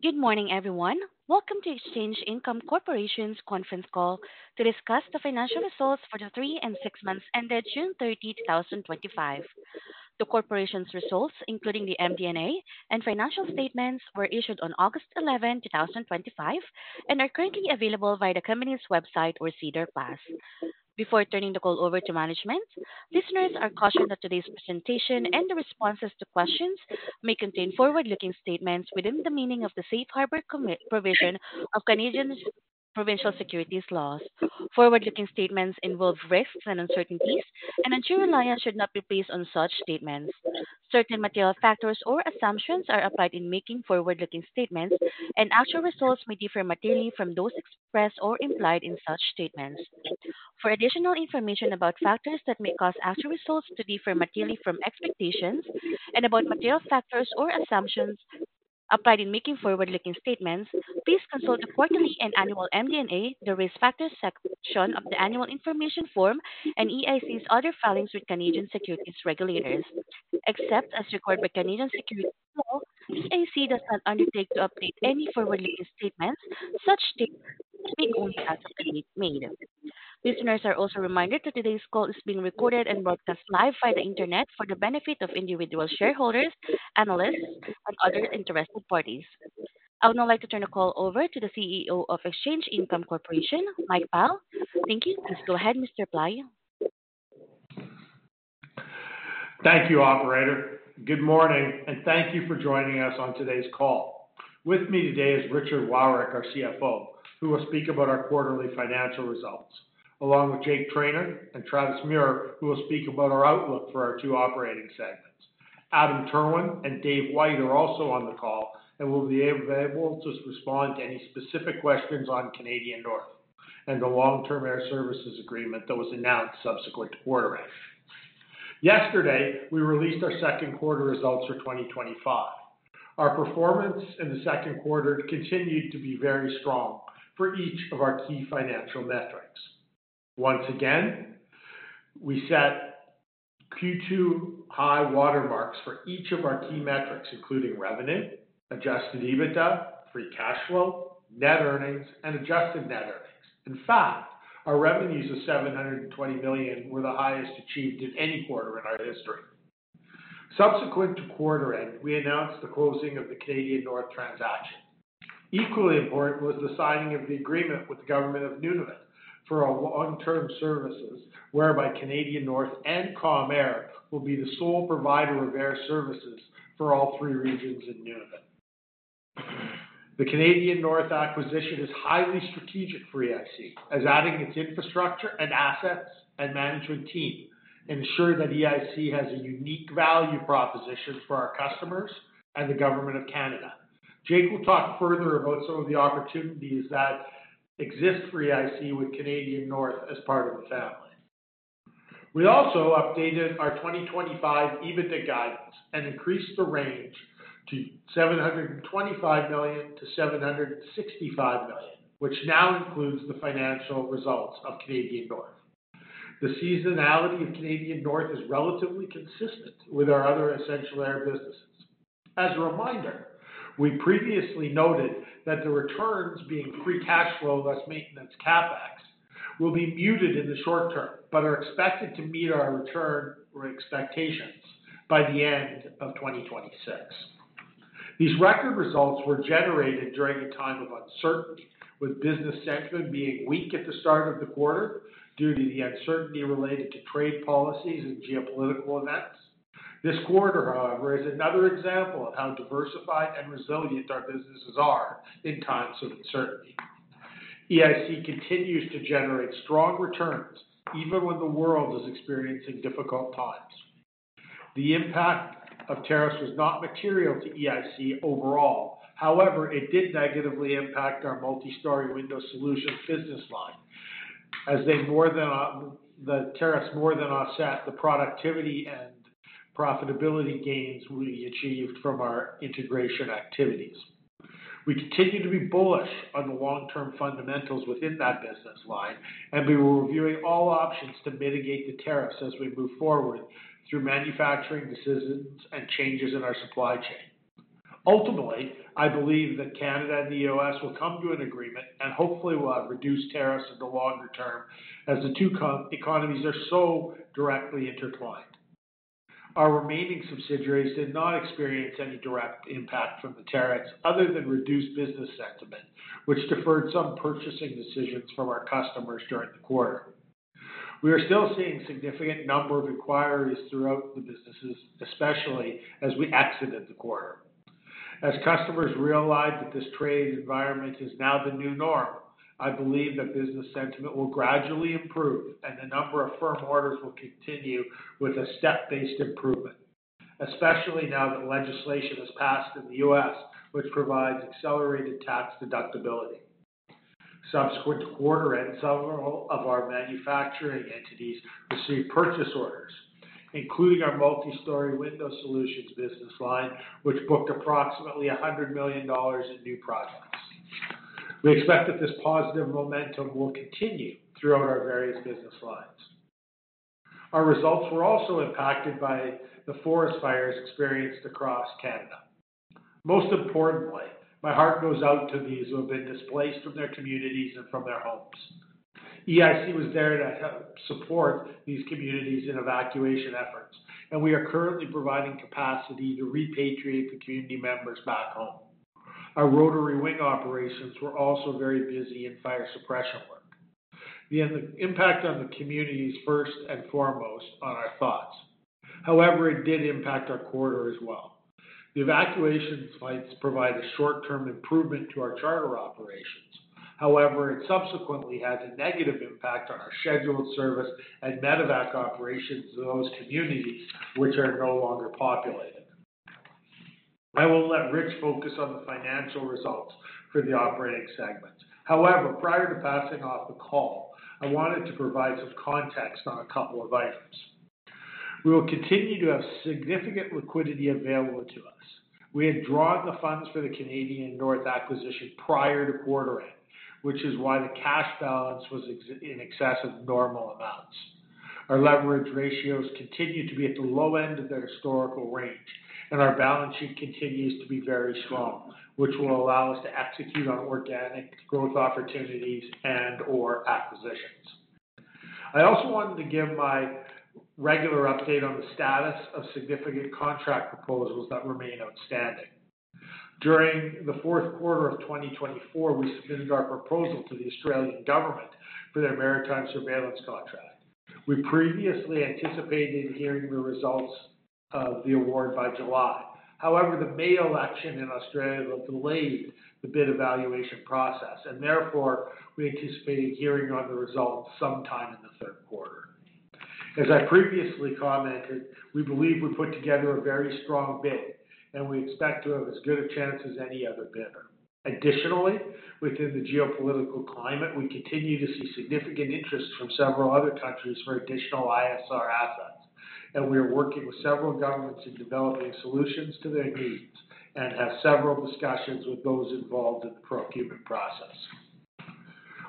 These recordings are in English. Good morning everyone. Welcome to Exchange Income Corporation's conference call to discuss the financial results for the three and six months ended June 30, 2025. The Corporation's results, including the MD&A and financial statements, were issued on August 11, 2025 and are currently available via the Company's website or SEDAR+. Before turning the call over to management, listeners are cautioned that today's presentation and the responses to questions may contain forward-looking statements within the meaning of the safe harbor of Canadian provincial securities laws. Forward-looking statements involve risks and uncertainties and undue reliance should not be placed on such statements. Certain material factors or assumptions are applied in making forward-looking statements and actual results may differ materially from those expressed or implied in such statements. For additional information about factors that may cause actual results to differ materially from expectations and about material factors or assumptions applied in making forward-looking statements, please consult the quarterly and annual MD&A, the Risk Factors section of the Annual Information Form, and EIC's other filings with Canadian securities regulators. Except as required by Canadian securities law, EIC does not undertake to update any forward-looking statements. Such statements only have been made. Listeners are also reminded that today's call is being recorded and broadcast live by the Internet for the benefit of individual shareholders, analysts, and other interested parties. I would now like to turn the call over to the CEO of Exchange Income Corporation, Mike Pyle. Thank you. Please go ahead, Mr. Pyle. Thank you, operator. Good morning and thank you for joining us on today's call. With me today is Richard Wowryk, our CFO, who will speak about our quarterly financial results along with Jake Trainor and Travis Muhr, who will speak about our outlook for our two operating segments. Adam Terwin and Dave White are also on the call and will be available to respond to any specific questions on Canadian North and the Long Term Air Services agreement that was announced subsequent to quarter end. Yesterday we released our second quarter results for 2025. Our performance in the second quarter continued to be very strong for each of our key financial metrics. Once again, we set Q2 high watermarks for each of our key metrics, including revenue, adjusted EBITDA, free cash flow, net earnings, and adjusted net earnings. In fact, our revenues of $720 million were the highest achieved in any quarter in our history. Subsequent to quarter end, we announced the closing of the Canadian North transaction. Equally important was the signing of the agreement with the Government of Nunavut for a long term services agreement whereby Canadian North and Air will be the sole provider of air services for all three regions. In our view, the Canadian North acquisition is highly strategic for EIC as adding its infrastructure, assets, and management team ensures that EIC has a unique value proposition for our customers and the Government of Canada. Jake will talk further about some of the opportunities that exist for EIC with Canadian North as part of the team. We also updated our 2025 EBITDA guidance and increased the range to $725 million to $765 million, which now includes the financial results of Canadian North. The seasonality of Canadian North is relatively consistent with our other essential air services businesses. As a reminder, we previously noted that the returns, being free cash flow less maintenance CapEx, will be muted in the short term but are expected to meet our return expectations by the end of 2026. These record results were generated during a time of uncertainty, with business sentiment being weak at the start of the quarter due to the uncertainty related to trade policies and geopolitical events. This quarter, however, is another example of how diversified and resilient our businesses are in times of uncertainty. EIC continues to generate strong returns even when the world is experiencing difficult times. The impact of tariffs was not material to EIC overall. However, it did negatively impact our Multi-Story Window Solutions business line as they, more than the tariffs, more than offset the productivity and profitability gains we achieved from our integration activities. We continue to be bullish on the long-term fundamentals within that business line, and we will review all options to mitigate the tariffs as we move forward through manufacturing decisions and changes in our supply chain. Ultimately, I believe that Canada and the U.S. will come to an agreement and hopefully will reduce tariffs in the longer term as the two economies are so directly intertwined. Our remaining subsidiaries did not experience any direct impact from the tariffs other than reduced business sentiment, which deferred some purchasing decisions from our customers during the quarter. We are still seeing a significant number of inquiries throughout the businesses, especially as we exited the quarter. As customers realize that this trade environment is now the new norm, I believe that business sentiment will gradually improve and the number of firm orders will continue with a step-based improvement, especially now that legislation has passed in the U.S. which provides accelerated tax deductibility subsequent quarter. Several of our manufacturing entities received purchase orders, including our Multi-Story Window Solutions business line, which booked approximately $100 million in new products. We expect that this positive momentum will continue throughout our various business lines. Our results were also impacted by the forest fires experienced across Canada. Most importantly, my heart goes out to those who have been displaced from their communities and from their homes. EIC was there to support these communities in evacuation efforts, and we are currently providing capacity to repatriate the community members back home. Our rotary wing operations were also very busy in fire suppression work. The impact on the communities is first and foremost on our thoughts. However, it did impact our quarter as well. The evacuation sites provide a short-term improvement to our charter operations. However, it subsequently has a negative impact on our scheduled service and medevac operations. Those communities which are no longer populated. I will let Rich focus on the financial results for the operating segment. However, prior to passing off the call, I wanted to provide some context on a couple of items. We will continue to have significant liquidity available to us. We had drawn the funds for the Canadian North acquisition prior to quarter end, which is why the cash balance was in excess of normal amounts. Our leverage ratios continue to be at the low end of the historical range, and our balance sheet continues to be very strong, which will allow us to execute on organic growth opportunities and/or acquisitions. I also wanted to give my regular update on the status of significant contract proposals that remain outstanding. During the fourth quarter of 2024, we submitted our proposal to the Australian Government for their Australian maritime surveillance contract. We previously anticipated hearing the results of the award by July. However, the May election in Australia delayed the bid evaluation process, and therefore we anticipate hearing on the results sometime in the third quarter. As I previously commented, we believe we put together a very strong bid, and we expect to have as good a chance as any other bidder. Additionally, within the geopolitical climate, we continue to see significant interest from several other countries for additional ISR assets, and we are working with several governments in developing solutions to their needs and have several discussions with those involved in the procurement process.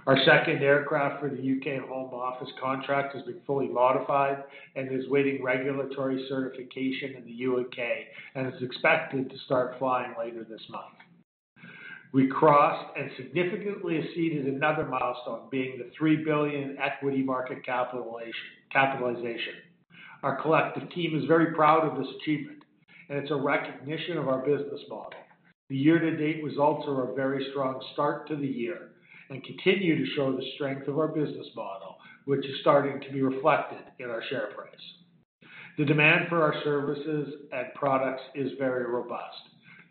Our second aircraft for the UK Home Office contract has been fully modified and is waiting regulatory certification in the UK and is expected to start flying later this month. We crossed and significantly exceeded another milestone, being the $3 billion equity market capitalization. Our collective team is very proud of this achievement, and it's a recognition of our business model. The year-to-date results are a very strong start to the year and continue to show the strength of our business model, which is starting to be reflected in our share price. The demand for our services and products is very robust.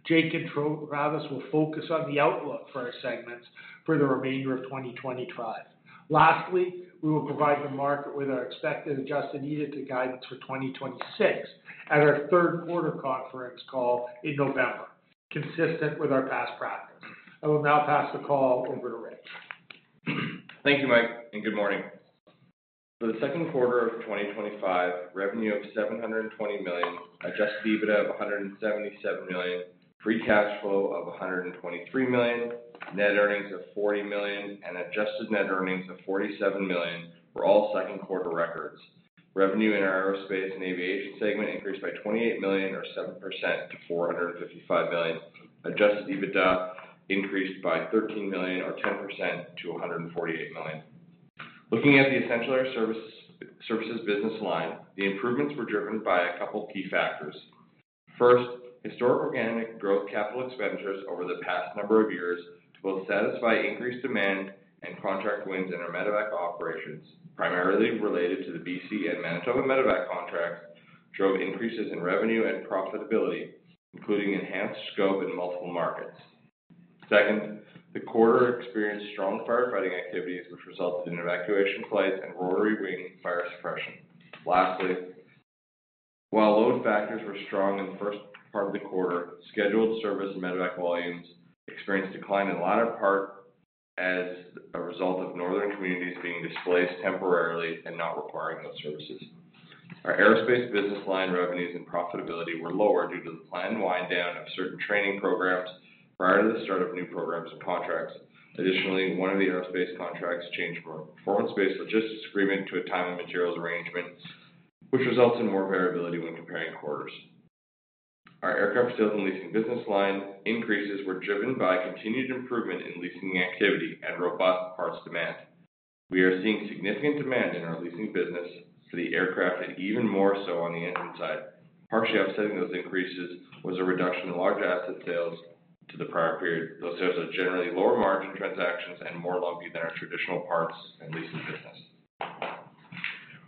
Jake and Travis will focus on the outlook for our segments for the remainder of 2025. Lastly, we will provide the market with our expected adjusted EBITDA guidance for 2026 at our third quarter conference call in November. Consistent with our past practice, I will now pass the call over to Rich. Thank you, Mike, and good morning. For the second quarter of 2025, revenue of $720 million, adjusted EBITDA of $177 million, free cash flow of $123 million, net earnings of $40 million, and adjusted net earnings of $47 million. For all second quarter records, revenue in our aerospace and aviation segment increased by $28 million or 7% to $455 million. Adjusted EBITDA increased by $13 million or 10% to $148 million. Looking at the essential air services business line, the improvements were driven by a couple key factors. First, historic organic growth capital expenditures over the past number of years will satisfy increased demand and contract wins in our medevac operations, primarily related to the British Columbia and Manitoba medevac contracts, drove increases in revenue and profitability, including enhanced scope in multiple markets. Second, the quarter experienced strong firefighting activities, which resulted in evacuation flights and rotary wing fire suppression. Lastly, while load factors were strong in the first part of the quarter, scheduled service and medevac volumes experienced decline in the latter part as a result of northern communities being displaced temporarily and not requiring those services. Our aerospace business line revenues and profitability were lower due to the planned wind down of certain training programs prior to the start of new programs and contracts. Additionally, one of the aerospace contracts changed from a performance-based logistics agreement to a timely materials arrangement, which results in more variability when comparing quarters. Our aircraft leasing business line increases were driven by continued improvement in leasing activity and robust parts demand. We are seeing significant demand in our leasing business for the aircraft and even more so on the income side. Partially offsetting those increases was a reduction in large asset sales to the prior period. Those sales are generally lower margin transactions and more lumpy than our traditional parts and leasing business.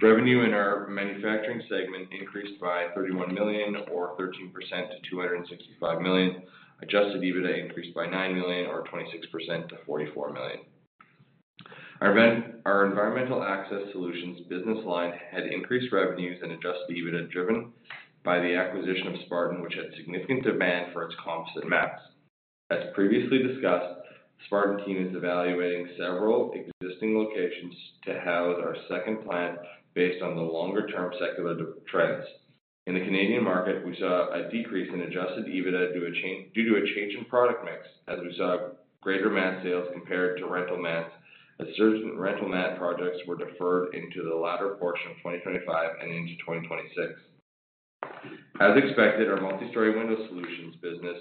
Revenue in our manufacturing segment increased by $31 million or 13% to $265 million. Adjusted EBITDA increased by $9 million or 26% to $44 million. Our environmental access solutions business line had increased revenues and adjusted EBITDA driven by the acquisition of Spartan, which had significant demand for its composite mats. As previously discussed, the Spartan team is evaluating several existing locations to house our second plant based on the longer-term secular trends in the Canadian market. We saw a decrease in adjusted EBITDA due to a change in product mix as we saw greater mat sales compared to rental mats as certain rental mat projects were deferred into the latter portion of 2025 and into 2026. As expected, our Multi-Story Window Solutions business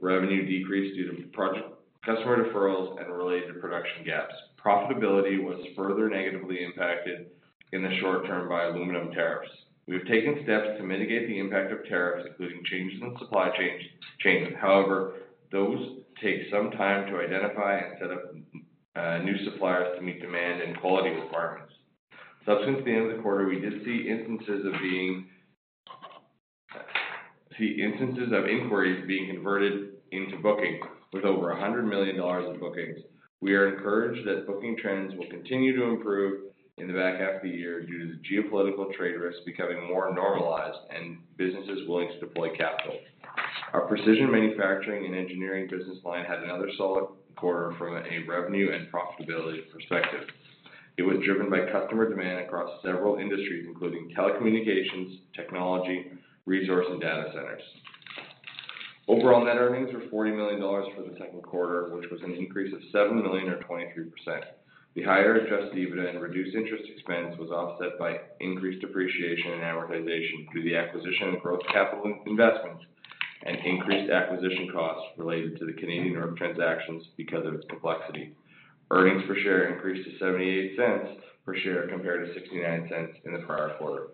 revenue decreased due to project customer deferrals and related production gaps. Profitability was further negatively impacted in the short term by aluminum tariffs. We have taken steps to mitigate the impact of tariffs, including changes in supply chain. However, those take some time to identify and set up new suppliers to meet demand and quality requirements. Since the end of the quarter, we did see instances of inquiries being converted into bookings. With over $100 million in bookings, we are encouraged that booking trends will continue to improve in the back half of the year due to the geopolitical trade risks becoming more normalized and businesses willing to deploy capital. Our precision manufacturing and engineering business line had another solid quarter from a revenue and profitability perspective. It was driven by customer demand across several industries including telecommunications, technology, resource, and data centers. Overall, net earnings were $40 million for the second quarter, which was an increase of $7 million or 23%. The higher adjusted EBITDA and reduced interest expense was offset by increased depreciation and amortization due to the acquisition, growth capital investments, and increased acquisition costs related to the Canadian North transactions. Because of its complexity, earnings per share increased to $0.78 per share compared to $0.69 in the prior quarter.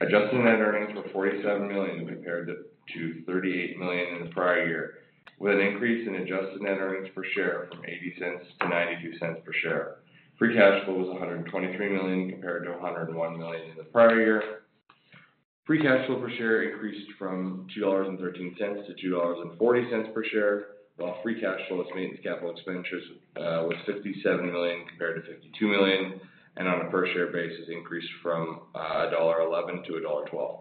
Adjusted net earnings were $47 million compared to $38 million in the prior year, with an increase in adjusted net earnings per share from $0.80 to $0.92 per share. Free cash flow was $123 million compared to $101 million in the prior year. Free cash flow per share increased from $2.13 to $2.40 per share, while free cash flow less maintenance capital expenditures was $57 million compared to $52 million and on a per share basis increased from $1.11 to $1.12.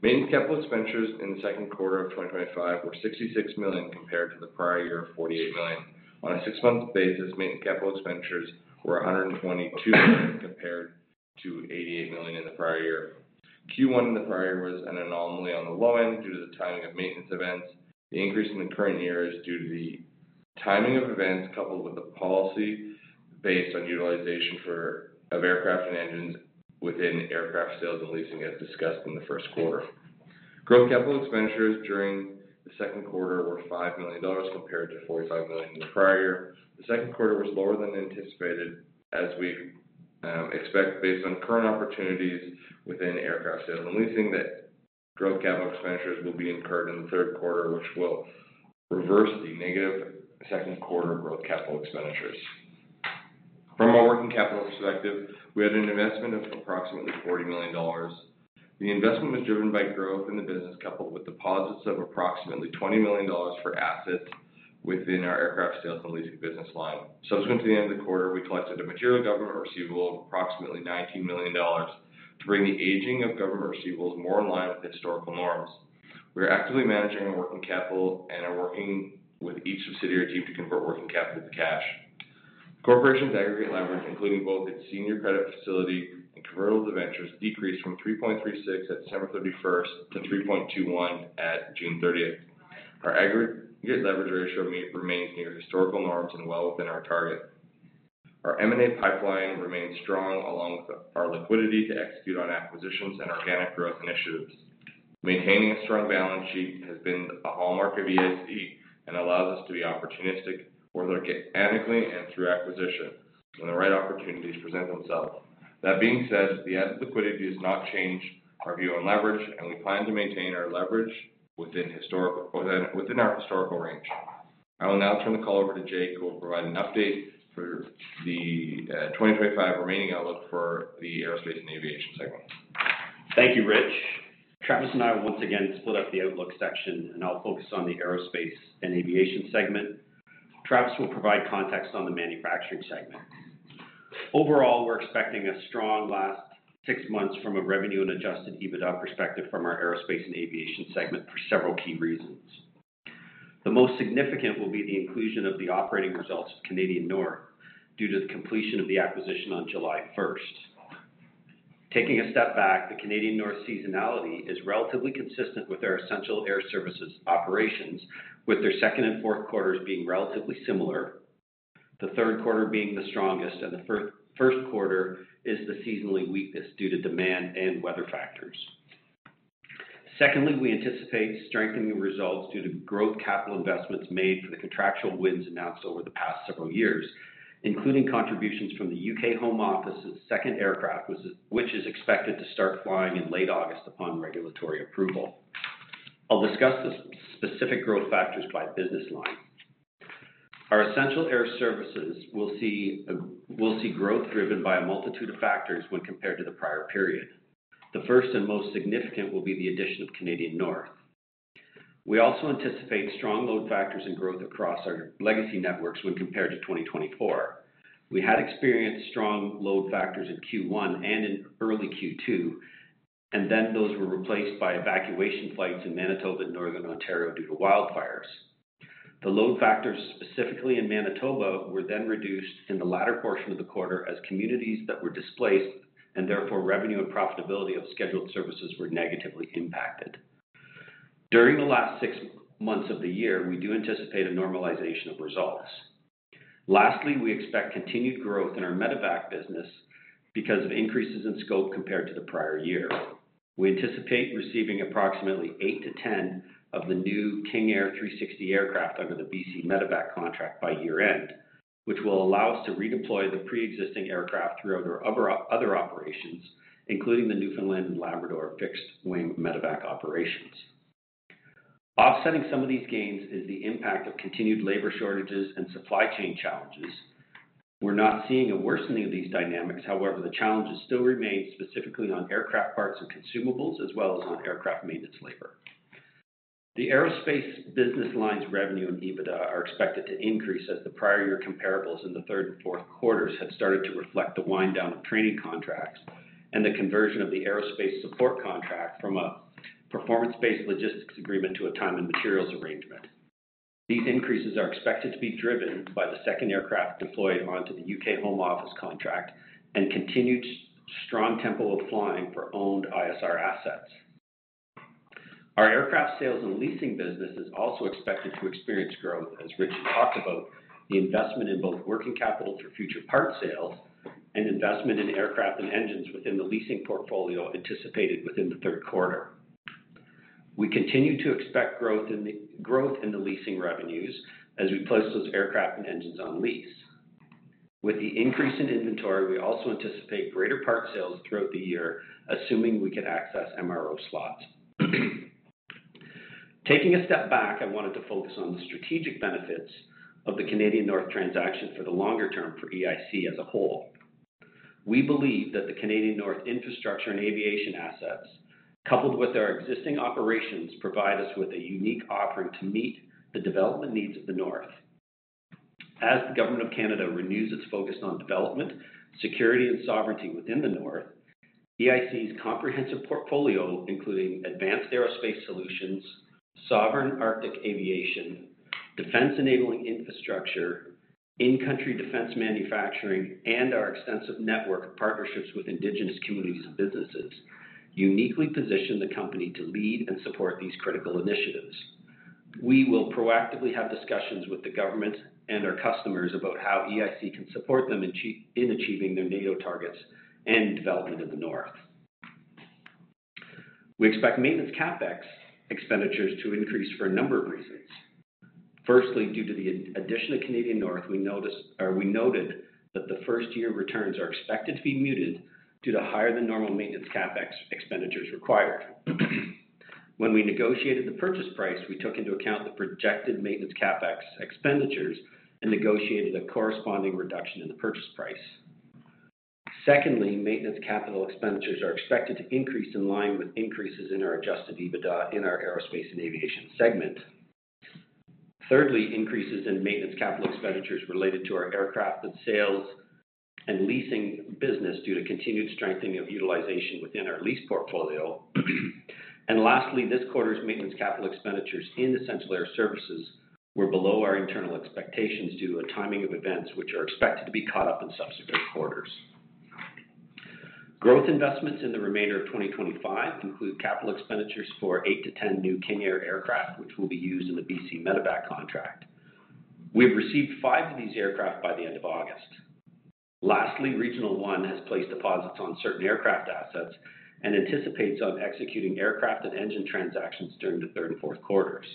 Maintenance capital expenditures in the second quarter of 2025 were $66 million compared to the prior year of $48 million on a six-month basis. Maintenance capital expenditures were $122 million compared to $88 million in the prior year. Q1 in the prior year was an anomaly on the low end due to the timing of maintenance events. The increase in the current year is due to the timing of events coupled with the policy based on utilization of aircraft and engines within aircraft sales and leasing. As discussed in the first quarter, growth capital expenditures during the second quarter were $5 million compared to $45 million in the prior year. The second quarter was lower than anticipated as we expect based on current opportunities within aircraft sales and leasing that growth capital expenditures will be incurred in the third quarter, which will reverse the negative second quarter growth capital expenditures. From our working capital perspective, we had an investment of approximately $40 million. The investment was driven by growth in the business coupled with deposits of approximately $20 million for assets within our aircraft sales and leasing business line. Subsequent to the end of the quarter, we collected a material government receivable of approximately $19 million to bring the aging of government receivables more in line with historical norms. We are actively managing our working capital and are working with each subsidiary chief to convert working capital to cash. Corporation's aggregate leverage, including both its senior credit facility and convertible debentures, decreased from 3.36 at March 31 to 3.21 at June 30. Our aggregate leverage ratio remains near historical norms and well within our target. Our M&A pipeline remains strong along with our liquidity to execute on acquisitions and organic growth initiatives. Maintaining a strong balance sheet has been a hallmark of EIC and allows us to be opportunistic or look at it and through acquisition when the right opportunities present themselves. That being said, the added liquidity does not change our view on leverage and we plan to maintain our leverage within our historical range. I will now turn the call over to Jake, who will provide an update for the 2025 remaining outlook for the Aerospace and Aviation segment. Thank you, Rich. Travis and I will once again split up the Outlook section, and I'll focus on the Aerospace and Aviation segment. Travis will provide context on the manufacturing segment. Overall, we're expecting a strong last six. Months from a revenue and adjusted EBITDA perspective from our aerospace and aviation segment for several key reasons. The most significant will be the inclusion of the operating results of Canadian North due to the completion of the acquisition on July 1. Taking a step back, the Canadian North seasonality is relatively consistent with their essential air services operations, with their second and fourth quarters being relatively similar, the third quarter being the strongest, and the first quarter is the seasonally weakest due to demand and weather factors. Secondly, we anticipate strengthening results due to growth capital investments made for the contractual wins announced over the past several years, including contributions from the UK Home Office's second aircraft, which is expected to start flying in late August upon regulatory approval. I'll discuss the specific growth factors by business line. Our essential air services will see growth driven by a multitude of factors when compared to the prior period. The first and most significant will be the addition of Canadian North. We also anticipate strong load factors and growth across our legacy networks when compared to 2024. We had experienced strong load factors in Q1 and in early Q2, and then those were replaced by evacuation flights in Manitoba and Northern Ontario due to wildfires. The load factors specifically in Manitoba were then reduced in the latter portion of the quarter as communities that were displaced and therefore revenue and profitability of scheduled services were negatively impacted during the last six months of the year. We do anticipate a normalization of results. Lastly, we expect continued growth in our medevac business because of increases in scope compared to the prior year. We anticipate receiving approximately 8 to 10 of the new King Air 360 aircraft under the BC medevac contract by year end, which will allow us to redeploy the pre-existing aircraft throughout our other operations, including the Newfoundland and Labrador fixed wing medevac operations. Offsetting some of these gains is the impact of continued labor shortages and supply chain challenges. We're not seeing a worsening of these dynamics, however, the challenges still remain specifically on aircraft parts or consumables as well as on aircraft maintenance, labor. The aerospace business lines revenue and adjusted EBITDA are expected to increase as the prior year comparables in the third and fourth quarters had started to reflect the wind down of training contracts and the conversion of the aerospace support contract from a performance-based logistics agreement to a time and materials arrangement. These increases are expected to be driven by the second aircraft deployed onto the UK Home Office contract and continued strong tempo of flying for owned ISR assets. Our aircraft sales and leasing business is also expected to experience growth as Rich talked about the investment in both working capital for future part sales and investment in aircraft and engines within the leasing portfolio anticipated within the third quarter. We continue to expect growth in the leasing revenues as we place those aircraft and engines on lease with the increase in inventory. We also anticipate greater part sales throughout the year assuming we could access MRO slots. Taking a step back, I wanted to focus on the strategic benefits of the Canadian North transaction for the longer term for EIC as a whole. We believe that the Canadian North infrastructure and aviation assets coupled with our existing operations provide us with a unique offering to meet the development needs of the North. As the Government of Canada renews its focus on development, security, and sovereignty within the North, EIC's comprehensive portfolio including advanced aerospace solutions, sovereign Arctic aviation, defense enabling infrastructure in country, defense, manufacturing, and our extensive network of partnerships with Indigenous communities and businesses uniquely position the company to lead and support these critical initiatives. We will proactively have discussions with the Government and our customers about how EIC can support them in achieving their NATO targets and development in the North. We expect maintenance CapEx expenditures to increase for a number of reasons. Firstly, due to the addition of Canadian North, we noted that the first year returns are expected to be muted due to higher than normal maintenance CapEx expenditures. When we negotiated the purchase price, we took into account the projected maintenance CapEx expenditures and negotiated a corresponding reduction in the purchase price. Secondly, maintenance capital expenditures are expected to increase in line with increases in our adjusted EBITDA in our aerospace and aviation segment. Thirdly, increases in maintenance capital expenditures related to our aircraft sales and leasing business are due to continued strengthening of utilization within our lease portfolio. Lastly, this quarter's maintenance capital expenditures in the central air services were below our internal expectations due to a timing of events, which are expected to be caught up in subsequent quarters. Growth investments in the remainder of 2025 include capital expenditures for eight to ten new King aircraft, which will be used in the BC medevac contract. We have received five of these aircraft. By the end of August. Lastly, Regional One has placed deposits on certain aircraft assets and anticipates on executing aircraft and engine transactions during the third and fourth quarters.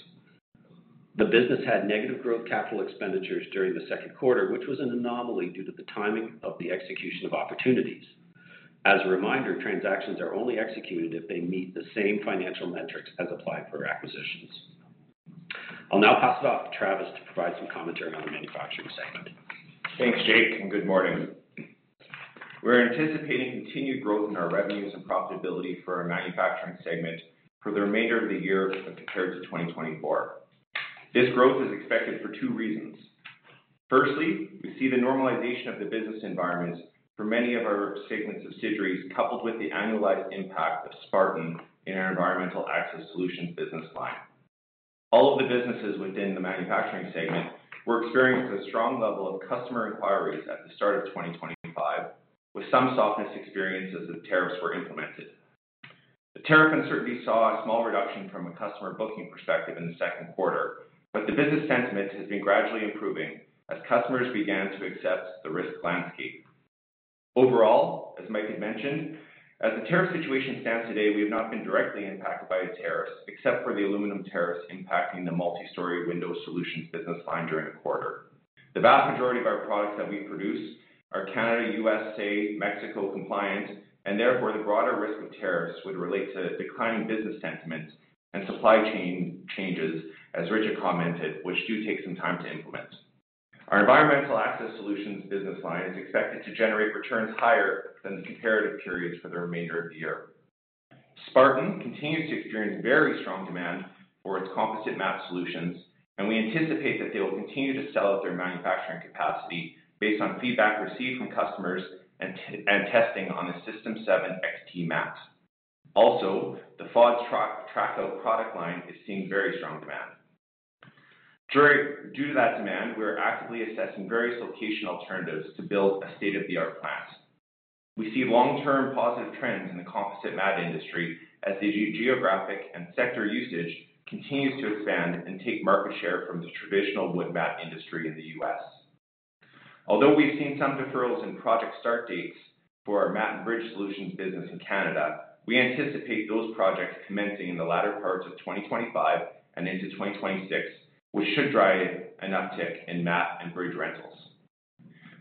The business had negative growth capital expenditures during the second quarter, which was an anomaly due to the timing of the execution of opportunities. As a reminder, transactions are only executed if they meet the same financial metrics as applied for acquisitions. I'll now pass it off to Travis to provide some commentary on the manufacturing segment. Thanks Jake and good morning. We're anticipating continued growth in our revenues and profitability for our manufacturing segment for the remainder of the year compared to 2024. This growth is expected for two reasons. Firstly, we see the normalization of the business environment for many of our segment's subsidiaries coupled with the annualized impact of Spartan in our environmental access solutions business line. All of the businesses within the manufacturing segment experienced a strong level of customer inquiries at the start of 2025 with some softness experienced as the tariffs were implemented. The tariff uncertainty saw a small reduction from a customer booking perspective in the second quarter, but the business sentiment has been gradually improving as customers began to accept the risk landscape. Overall, as Mike had mentioned, as the tariff situation stands today, we have not been directly impacted by tariffs except for the aluminum tariffs impacting the Multi-Story Window Solutions business line during the quarter. The vast majority of our products that we produce are Canada, U.S., Mexico compliant and therefore the broader risk of tariffs would relate to declining business sentiment and supply chain changes. As Richard commented, which do take some time to implement. Our environmental access solutions business line is expected to generate returns higher than the comparative periods for the remainder of the year. Spartan continues to experience very strong demand for its composite mat solutions and we anticipate that they will continue to sell out their manufacturing capacity based on feedback received from customers and testing on a System 7 XT mat. Also, the FOD Trackout product line is seeing very strong demand. Due to that demand, we are actively assessing various location alternatives to build a state-of-the-art plant. We see a long-term positive trend in the composite mat industry as the geographic and sector usage continues to expand and take market share from the traditional wood mat industry in the U.S. Although we've seen some deferrals in project start dates for our mat and bridge solutions business in Canada, we anticipate those projects commencing in the latter parts of 2025 and into 2026 which should drive an uptick in mat and bridge rentals.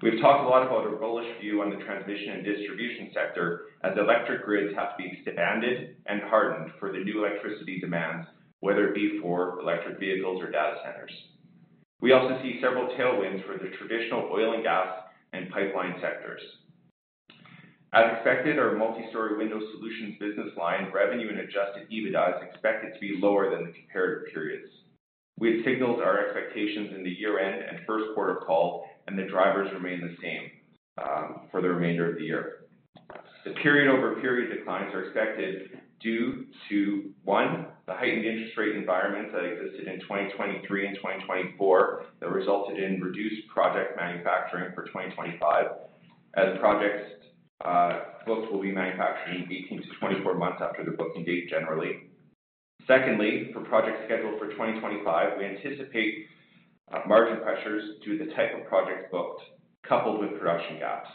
We've talked a lot about our bullish view on the transmission and distribution sector as electric grids have to be expanded and hardened for the new electricity demands, whether it be for electric vehicles or data centers. We also see several tailwinds for the traditional oil and gas and pipeline sectors. As expected, our Multi-Story Window Solutions business line revenue and adjusted EBITDA is expected to be lower than the comparative periods. We've signaled our expectations in the year-end and first quarter call and the drivers remain the same for the remainder of the year. The period-over-period declines are expected due to, one, the heightened interest rate environment that existed in 2023 and 2024 that resulted in reduced project manufacturing for 2025. The projects booked will be manufactured in 18 to 24 months after the booking date generally. Secondly, for projects scheduled for 2025, we anticipate margin pressures due to the type of projects booked coupled with production gaps.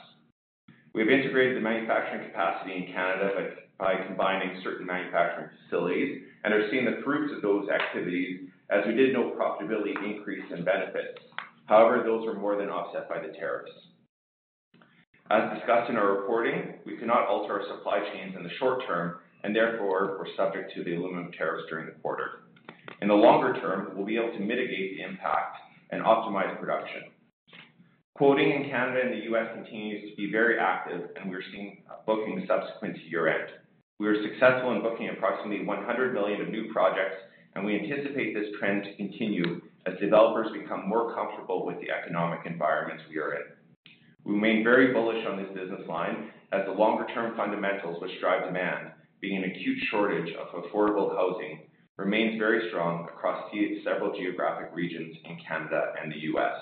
We have integrated the manufacturing capacity in Canada by combining certain manufacturing facilities and are seeing the fruits of those activities. We did note profitability increase in benefit. However, those were more than offset by the tariffs. As discussed in our reporting, we could not alter our supply chains in the short term and therefore were subject to the aluminum tariffs during the quarter. In the longer term, we'll be able to mitigate the impact and optimize production. Quoting in Canada and the U.S. continues to be very active and we're seeing bookings subsequent to year-end. We are successful in booking approximately $100 million of new projects and we anticipate this trend to continue as developers become more comfortable with the economic environment we are in. We remain very bullish on this business line as the longer-term fundamentals which drive demand, being an acute shortage of affordable housing, remains very strong across several geographic regions in Canada and the U.S.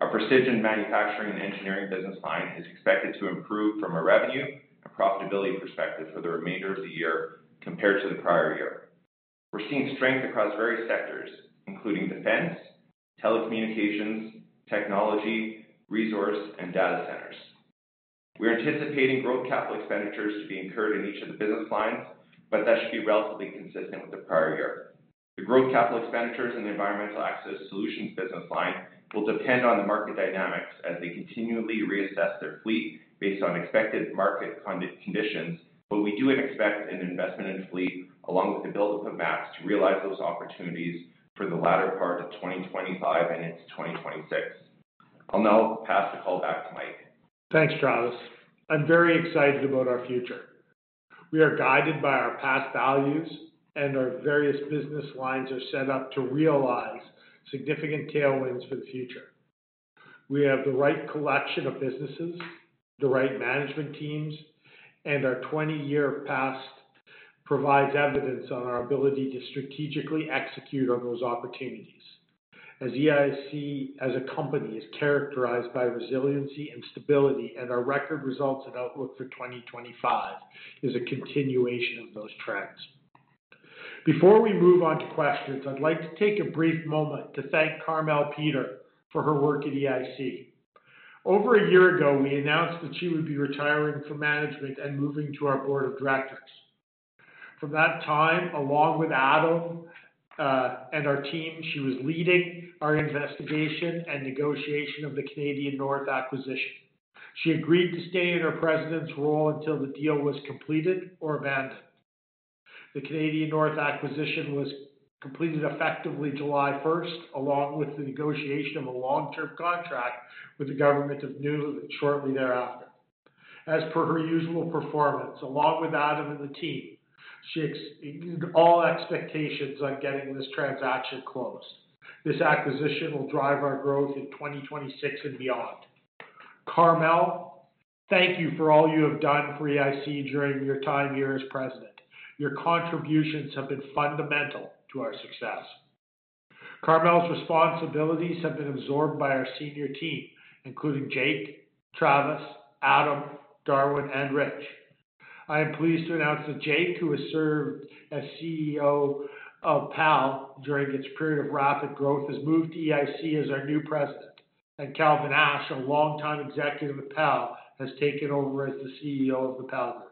Our precision manufacturing and engineering business line is expected to improve from a revenue and profitability perspective for the remainder of the year compared to the prior year. We're seeing strength across various sectors including defense, telecommunications, technology, resource, and data centers. We're anticipating growth capital expenditures to be incurred in each of the business lines, but that should be relatively consistent with the prior year. The growth capital expenditures in the environmental access solutions business line will depend on the market dynamics as they continually reassess their fleet based on expected market conditions. We do expect an investment in fleet along with the buildup of mats to realize those opportunities for the latter part of 2025 and into 2026. I'll now pass the call back to Mike. Thanks, Travis. I'm very excited about our future. We are guided by our past values, and our various business lines are set up to realize significant tailwinds for the future. We have the right collection of businesses, the right management teams, and our 20-year past provides evidence on our ability to strategically execute on those opportunities as EIC. As a company, it is characterized by resiliency and stability, and our record results and outlook for 2025 is a continuation of those tracks. Before we move on to questions, I'd like to take a brief moment to thank Carmele Peter for her work at EIC. Over a year ago, we announced that she would be retiring from management and moving to our Board of Directors. From that time, along with Adam and our team, she was leading our investigation and negotiation of the Canadian North acquisition. She agreed to stay in her President's role until the deal was completed or abandoned. The Canadian North acquisition was completed effectively July 1 along with the negotiation of a long-term contract with the Government of Nunavut shortly thereafter. As per her usual performance, along with Adam and the team, she ignored all expectations on getting this transaction closed. This acquisition will drive our growth in 2026 and beyond. Carmele, thank you for all you have done for EIC during your time here as President. Your contributions have been fundamental to our success. Carmele's responsibilities have been absorbed by our senior team including Jake, Travis, Adam Terwin, and Rich Wowryk. I am pleased to announce that Jake, who has served as CEO of PAL during its period of rapid growth, has moved to EIC as our new President. Calvin Ash, a longtime executive at PAL, has taken over as the CEO of PAL.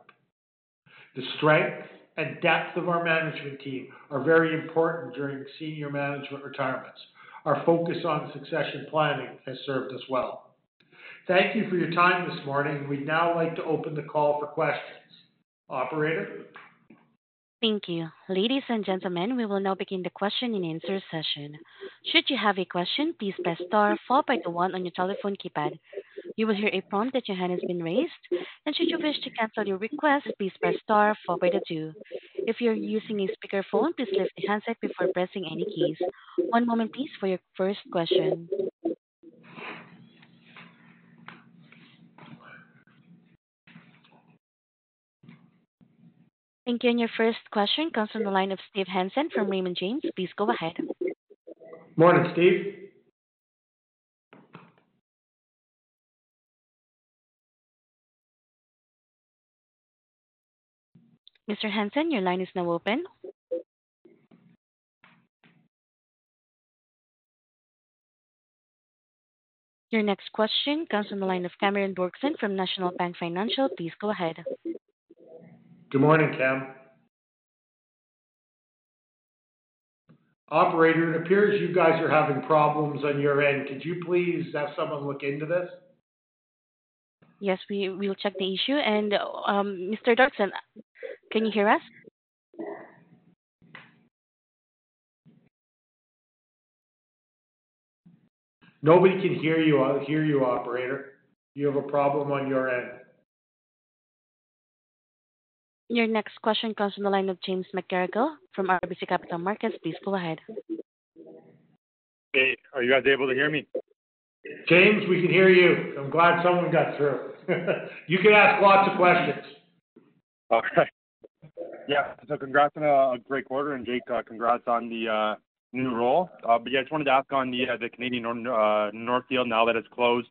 The strength and depth of our management team are very important during senior management retirements. Our focus on succession planning has served us well. Thank you for your time this morning. We'd now like to open the call for questions. Operator, thank you, ladies and gentlemen. We will now begin the question and answer session. Should you have a question, please press star followed by the one on your telephone keypad. You will hear a prompt that your hand has been raised, and should you wish to cancel your request, please press star followed by the two. If you're using a speakerphone, please lift the handset before pressing any keys. One moment, please, for your first question. Thank you. Your first question comes from the line of Steve Hansen from Raymond James. Please go ahead. Morning, Steve. Mr. Hansen, your line is now open. Your next question comes from the line of Cameron Doerksen from National Bank Financial. Please go ahead. Good morning, Cam. operator. It appears you guys are having problems on your end. Could you please have someone look into this? Yes, we will check the issue, and Mr. Doerksen, can you hear us? Nobody can hear you. Operator, you have a problem on your end. Your next question comes from the line of James McGarragle from RBC Capital Markets. Please pull ahead. Hey, are you guys able to hear me? James, we can hear you. I'm glad someone got through. You can ask lots of questions. All right? Yeah, so congrats on a great quarter. Jake, congrats on the new role. I just wanted to ask on the Canadian North field, now that it's closed,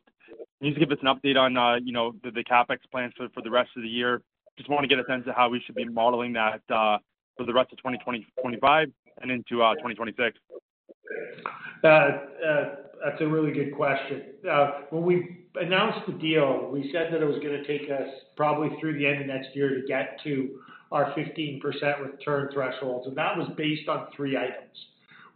please give us an update on the CapEx plans for the rest of the year. I just want to get a sense of how we should be modeling that for the rest of 2025 and into 2026. That's a really good question. When we announced the deal, we said that it was going to take us probably through the end of next year to get to our 15% return threshold. That was based on three items.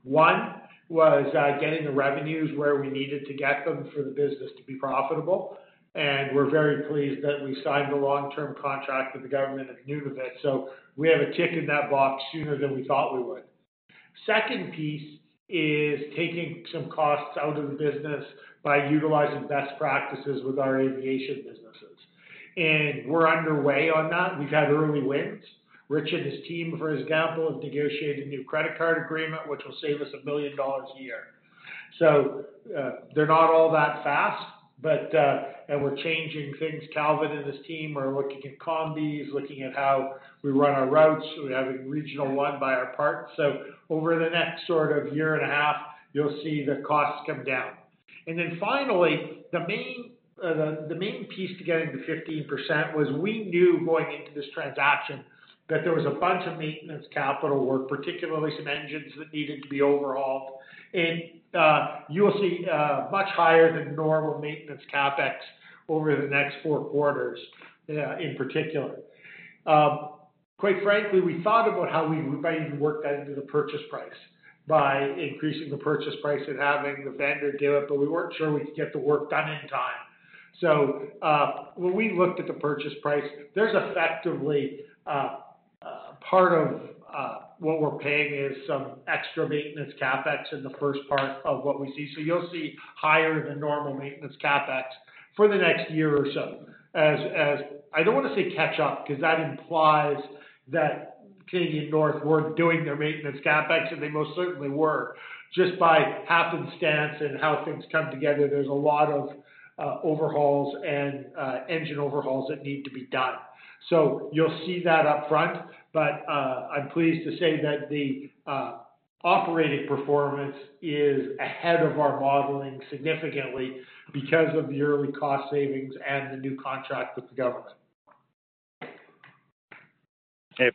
One was getting the revenues where we needed to get them for the business to be profitable. We're very pleased that we signed the long-term contract with the Government of Nunavut, so we have a tick in that box sooner than we thought we would. The second piece is taking some costs out of the business by utilizing best practices with our aviation businesses. We're underway on that. We've had early wins. Rich and his team, for example, have negotiated a new credit card agreement which will save us $1 million a year. They're not all that fast, but we're changing things. Calvin and his team are looking at combis, looking at how we run our routes. We have a Regional One by our part. Over the next sort of year and a half, you'll see the costs come down. Finally, the main piece to getting the 15% was we knew going into this transaction that there was a bunch of maintenance capital work, particularly some engines that needed to be overhauled, and you will see much higher than normal maintenance CapEx over the next four quarters. Quite frankly, we thought about how we might even work that into the purchase price by increasing the purchase price and having the vendor do it, but we weren't sure we could get the work done in time. When we looked at the purchase price, there's effectively part of what we're paying is some extra maintenance CapEx in the first part of what we see. You'll see higher than normal maintenance CapEx for the next year or so. I don't want to say catch up because that implies that Canadian North were not doing their maintenance CapEx, and they most certainly were. Just by happenstance and how things come together, there's a lot of overhauls and engine overhauls that need to be done, so you'll see that up front. I'm pleased to say that the operated performance is ahead of our modeling significantly because of the early cost savings and the new contract with the government.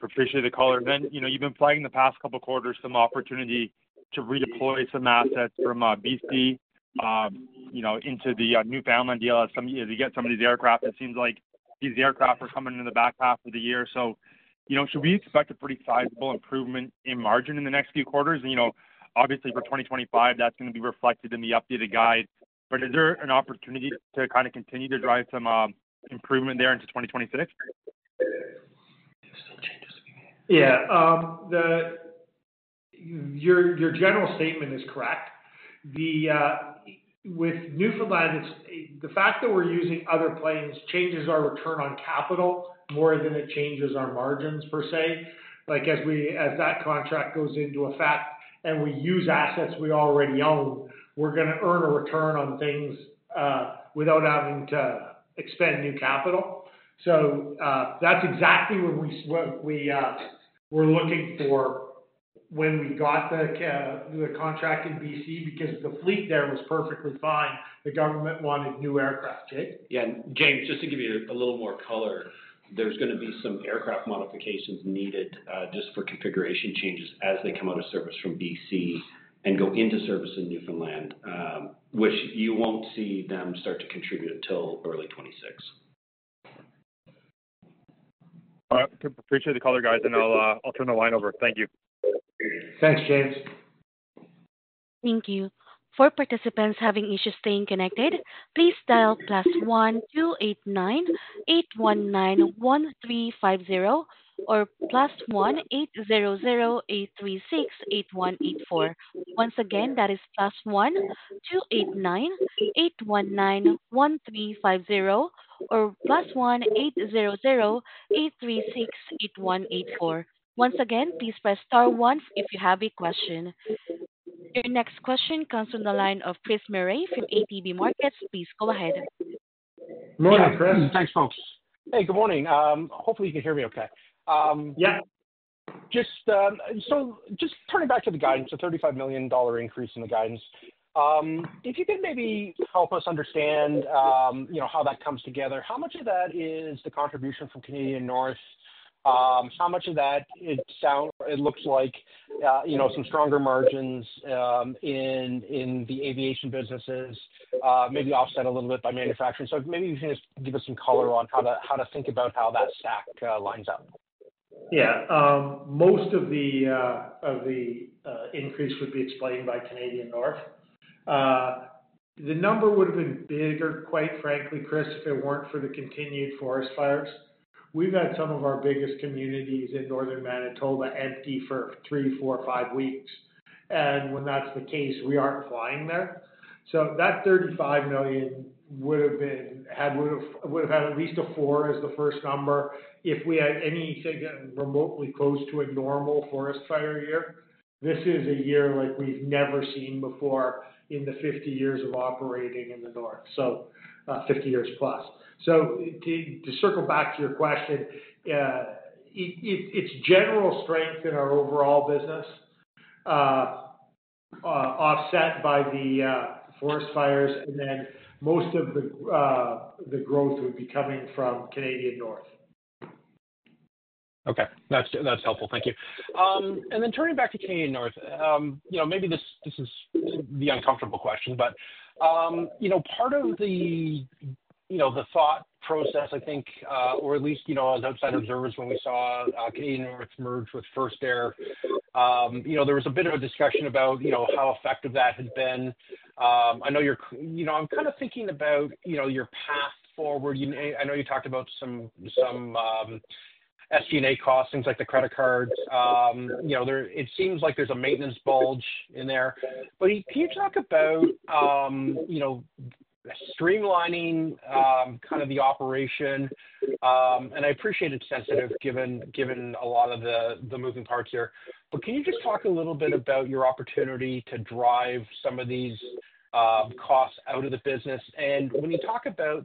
Appreciate the caller. You know you've been flagging the past couple quarters some opportunity to redeploy some assets from British Columbia into the new family deal as some years to get some of these aircraft. It seems like these aircraft are coming in the back half of the year. Should we expect a pretty sizable improvement in margin in the next few quarters and obviously for 2025 that's going to be reflected in the updated guide. Is there an opportunity to kind of continue to drive some improvement there into 2026? Yeah, your general statement is correct. With Newfoundland, it's the fact that we're using other planes changes our return on capital more than it changes our margins per se. As that contract goes into effect and we use assets we already own, we're going to earn a return on things without having to expend new capital. That's exactly what we were looking for when we got the contract in British Columbia because the fleet there was perfectly fine. The government wanted new aircraft. Jake? Yeah, James. Just to give you a little more color, there's going to be some aircraft modifications needed just for configuration changes as they come out of service from British Columbia and go into service in Newfoundland, which you won't see them start to contribute until early 2026. Appreciate the call, guys, and I'll turn the line over. Thank you. Thanks, James. Thank you. For participants having issues staying connected, please dial 1-289-819-1350 or +1-800-836-8184. Once again, that is +1-289-819-1350 or +1-800-836-8184. Once again, please press star one if you have a question. Your next question comes from the line of Chris Murray from ATB Markets. Please go ahead. Thanks, folks. Hey, good morning. Hopefully you can hear me okay. Just turning back to the guidance, the $35 million increase in the guidance, if you could maybe help us understand how that comes together. How much of that is the contribution from Canadian North? How much of that, it sounds, it looks like, you know, some stronger margins in the aviation businesses maybe offset a little bit by manufacturing. Maybe you can just give us some color on how to think about how that stack lines up. Yeah, most of the increase would be explained by Canadian North. The number would have been bigger, quite frankly, Chris, if it weren't for the continued forest fires. We've had some of our biggest communities in northern Manitoba empty for three, four, five weeks. When that's the case, we aren't flying there. So that $35 million would have had at least a 4 as the first number if we had any, say, remotely close to a normal forest fire year. This is a year like we've never seen before in the 50 years of operating in the north, so 50 years plus. To circle back to your question, it's general strength in our overall business offset by the forest fires, and then most of the growth would be coming from Canadian North. Okay, that's helpful. Thank you. Turning back to Canadian North, maybe this is the uncomfortable question, but part of the thought process, I think, or at least outside observers, when we saw Canadian North merge with First Air, there was a bit of a discussion about how effective that had been. I know you're, I'm kind of thinking about your path forward. I know you talked about some SGA costs, things like the credit cards. It seems like there's a maintenance bulge in there. Can you talk about streamlining kind of the operation? I appreciate it's sensitive, given a lot of the moving parts here. Can you just talk a little bit about your opportunity to drive some of these costs out of the business? When you talk about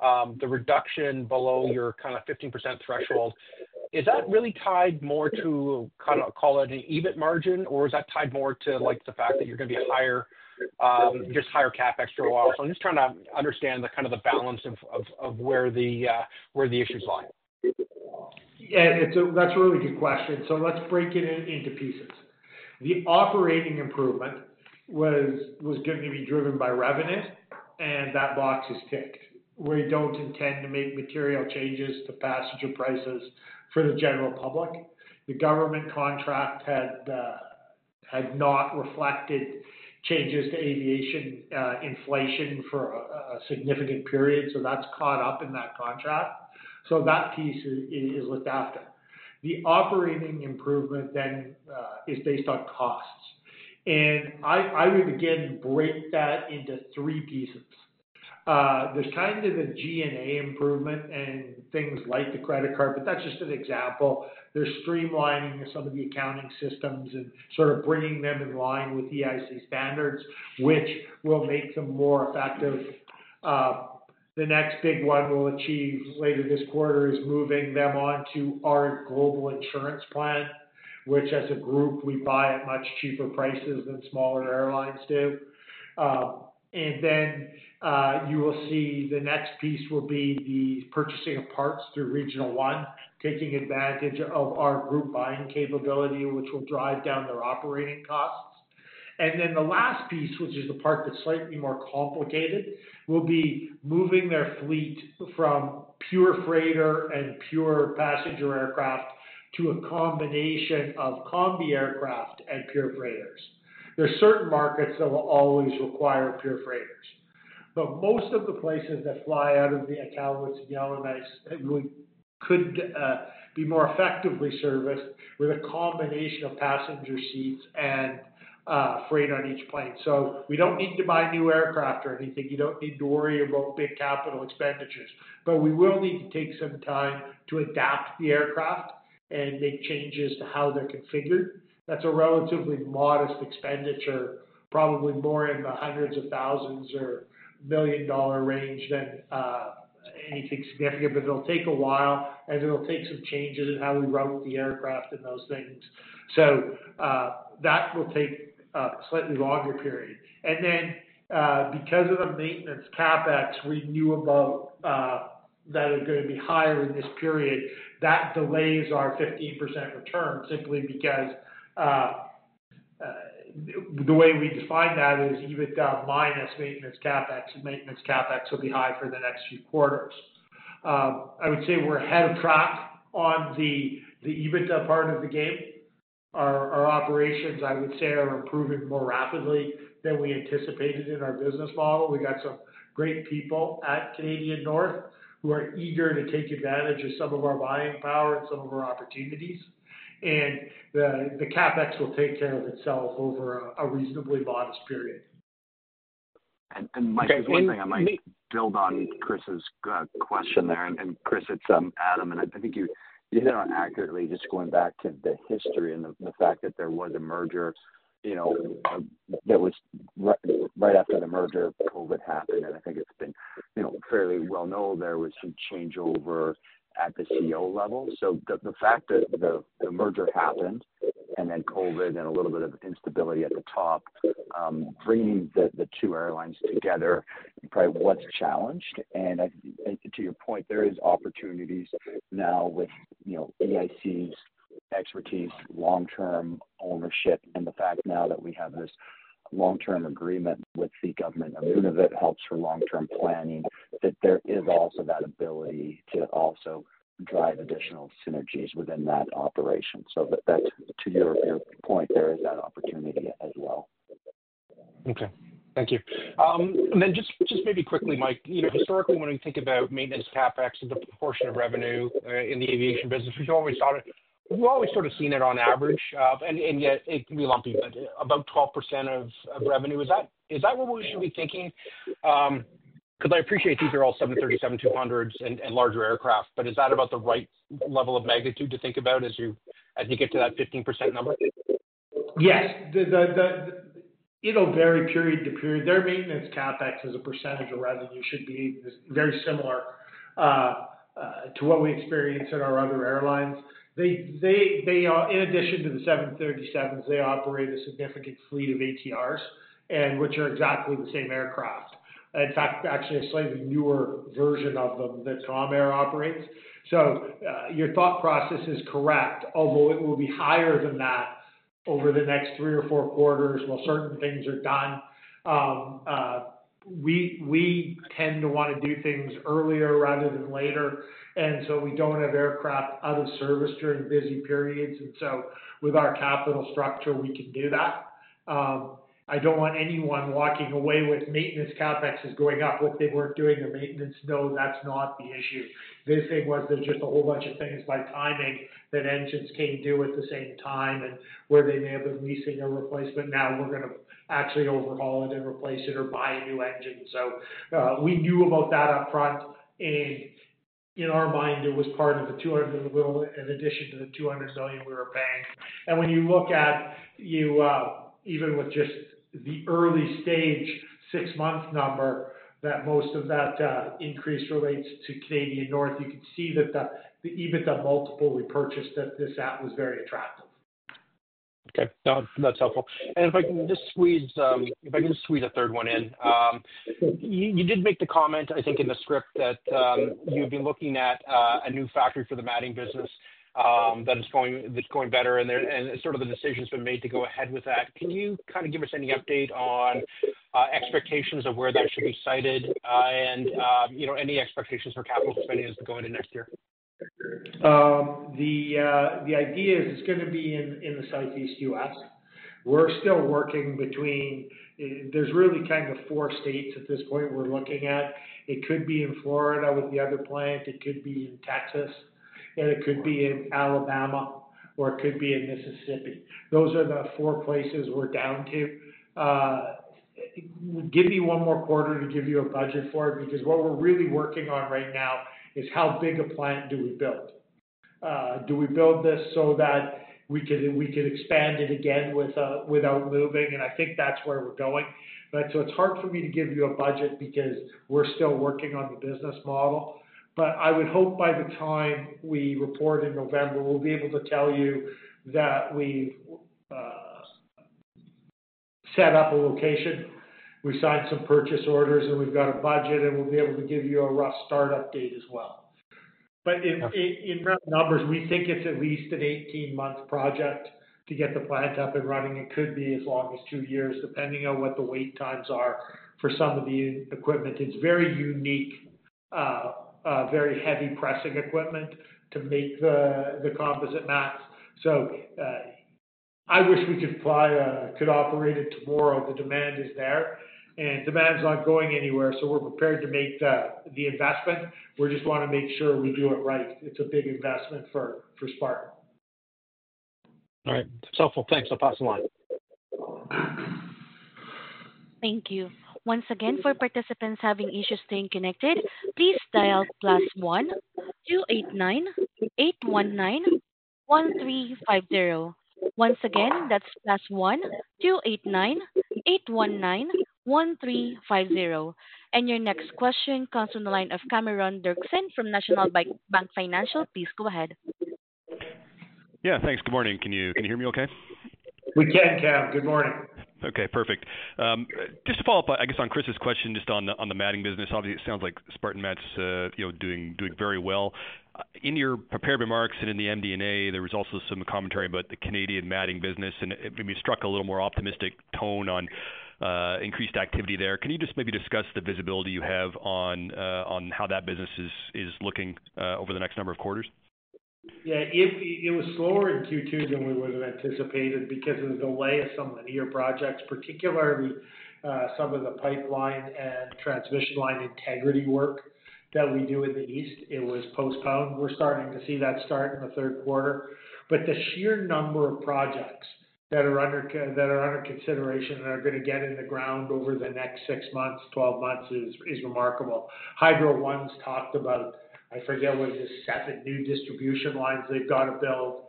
the reduction below your kind of 15% threshold, is that really tied more to, call it, an EBIT margin or is that tied more to the fact that you're going to be higher, just higher CapEx or oil? I'm just trying to understand the kind of the balance of where the issues lie. That's a really good question. Let's break it into pieces. The operating improvement was going to be driven by revenue, and that box is ticked. We don't intend to make material changes to passenger prices for the general public. The government contract had not reflected changes to aviation inflation for a significant period, so that's caught up in that contract. That piece is looked after. The operating improvement then is based on costs. I would again break that into three pieces. There's tied to the G&A improvement and things like the credit card, but that's just an example. They're streamlining some of the accounting systems and bringing them in line with EIC standards, which will make them more effective. The next big one we'll achieve later this quarter is moving them on to our global insurance plan, which as a group we buy at much cheaper prices than smaller airlines do. You will see the next piece will be the purchasing of parts through Regional One, taking advantage of our group buying capability, which will drive down their operating costs. The last piece, which is the part that's slightly more complicated, will be moving their fleet from pure freighter and pure passenger aircraft to a combination of combi aircraft and pure freighters. There are certain markets that will always require pure freighters, but most of the places that fly out of the Iqaluit and Yellowknife could be more effectively serviced with a combination of passenger seats and freight on each plane. We don't need to buy new aircraft or anything. You don't need to worry about big capital expenditures. We will need to take some time to adapt the aircraft and make changes to how they're configured. That's a relatively modest expenditure, probably more in the hundreds of thousands or $1 million range than anything significant. It'll take a while, and it'll take some changes in how we run the aircraft and those things. That will take a slightly longer period. Because of the maintenance CapEx we knew about that are going to be higher in this period, that delays our 15% return simply because the way we define that is EBITDA minus maintenance CapEx, and maintenance CapEx will be high for the next few quarters. I would say we're ahead of track on the EBITDA part of the game. Our operations, I would say, are improving more rapidly than we anticipated in our business model. We got some great people at Canadian North who are eager to take advantage of some of our buying power and some of our opportunities. The CapEx will take care of itself over a reasonably modest period. Mike, one thing I might build. On Chris's question there, Chris, it's Adam and I think. You hit it on accurately, just going. Back to the history and the fact. That there was a merger, that was right after the merger, COVID happened, and I think it's been fairly well known. There was some changeover at the CEO level. The fact that the merger happened. Covid hit a little bit. Of instability at the top bringing the two airlines together. What's challenged, and to your point, there is opportunities now with EIC's expertise, long term ownership, and the fact now that we have this long term agreement with the Government of Nunavut helps for long term planning, that there is also that. Ability to also drive additional synergies within that operation. To your point, there is. That opportunity as well. Okay, thank you. And then just maybe quickly, Mike. You know, historically when we think about maintenance CapEx and the proportion of revenue in the aviation business, we've always thought it, we've always sort of seen it on average and yet it will not be about 12% of revenue. Is that, is that what we should be thinking? Because I appreciate these are all 737-2-1200s and larger aircraft, but is that about the right level of magnitude to think about as you as you get to that 15% number? Yes, it'll vary period to period. Their maintenance CapEx as a percentage of revenue should be very similar to what we experience in our other airlines. In addition to the 737s they operate as a significant fleet of ATRs and which are exactly the same aircraft, in fact actually a slightly newer version of them that Com Air operates. Your thought process is correct, although it will be higher than that over the next three or four quarters. While certain things are done, we tend to want to do things earlier rather than later. We don't have aircraft out of service during busy periods. With our capital structure we can do that. I don't want anyone walking away with maintenance CapEx is going up. What they weren't doing their maintenance? No, that's not the issue. This thing was there just a whole bunch of things by timing that engines can do at the same time and where they may have been leasing a replacement. Now we're going to actually overhaul it and replace it or buy a new engine. We knew about that up front and in our mind it was part of the 200 in the middle in addition to the $200 million we were paying. When you look at you, even with just the early stage six month number that most of that increase relates to Canadian North, you can see that the EBITDA multiple we purchased at this at was very attractive. Okay, that's helpful. If I can just squeeze a third one in. You did make the comment, I think in the script that you'd be looking at a new factory for the matting business that is going, that's going better and sort of the decision's been made to go ahead with that. Can you kind of give us any update on expectations of where that should be sited and any expectations for capital spending as we go into next year? The idea is it's going to be in the southeast U.S. We're still working between. There's really kind of four states at this point we're looking at. It could be in Florida with the other plant. It could be in Texas, it could be in Alabama, or it could be in Mississippi. Those are the four places we're down to. Give you one more quarter to give you a budget for it. Because what we're really working on right now is how big a plant do we build? Do we build this so that we could expand it again without moving? I think that's where we're going. It's hard for me to give you a budget because we're still working on the business model. I would hope by the time we report in November we'll be able to tell you that we set up a location, we signed some purchase orders, and we've got a budget. We'll be able to give you a rough start update as well. In numbers, we think it's at least an 18-month project to get the plant up and running. It could be as long as two years depending on what the wait times are for some of the equipment. It's very unique, very heavy pressing equipment to make the composite mats. I wish we could operate it tomorrow. The demand is there and demand's not going anywhere. We're prepared to make the investment. We just want to make sure we do it right. It's a big investment for Spartan. All right, so full thanks. I'll pass the line. Thank you. Once again, for participants having issues staying connected, please dial +1 289-819-1350. Once again, that's +1 289-819-1350. Your next question comes from the line of Cameron Doerksen from National Bank Financial. Please go ahead. Yeah, thanks. Good morning. Can you hear me okay? We can, Cam. Good morning. Okay, perfect. Just to follow up, I guess on Chris's question, just on the matting business, obviously it sounds like Spartan is doing very well in your prepared remarks and in the MD&A there was also some commentary about the Canadian matting business and we struck a little more optimistic tone on increased activity there. Can you just maybe discuss the visibility you have on how that business is looking over the next number of quarters? Yeah, it was slower in Q2 than we would have anticipated because of the delay of some linear projects, particularly some of the pipeline and transmission line integrity work that we do in the East. It was postponed. We're starting to see that start in the third quarter. The sheer number of projects that are under consideration and are going to get in the ground over the next six months, 12 months, is remarkable. Hydro One's talked about, I forget what it is, seven new distribution lines they've got to build.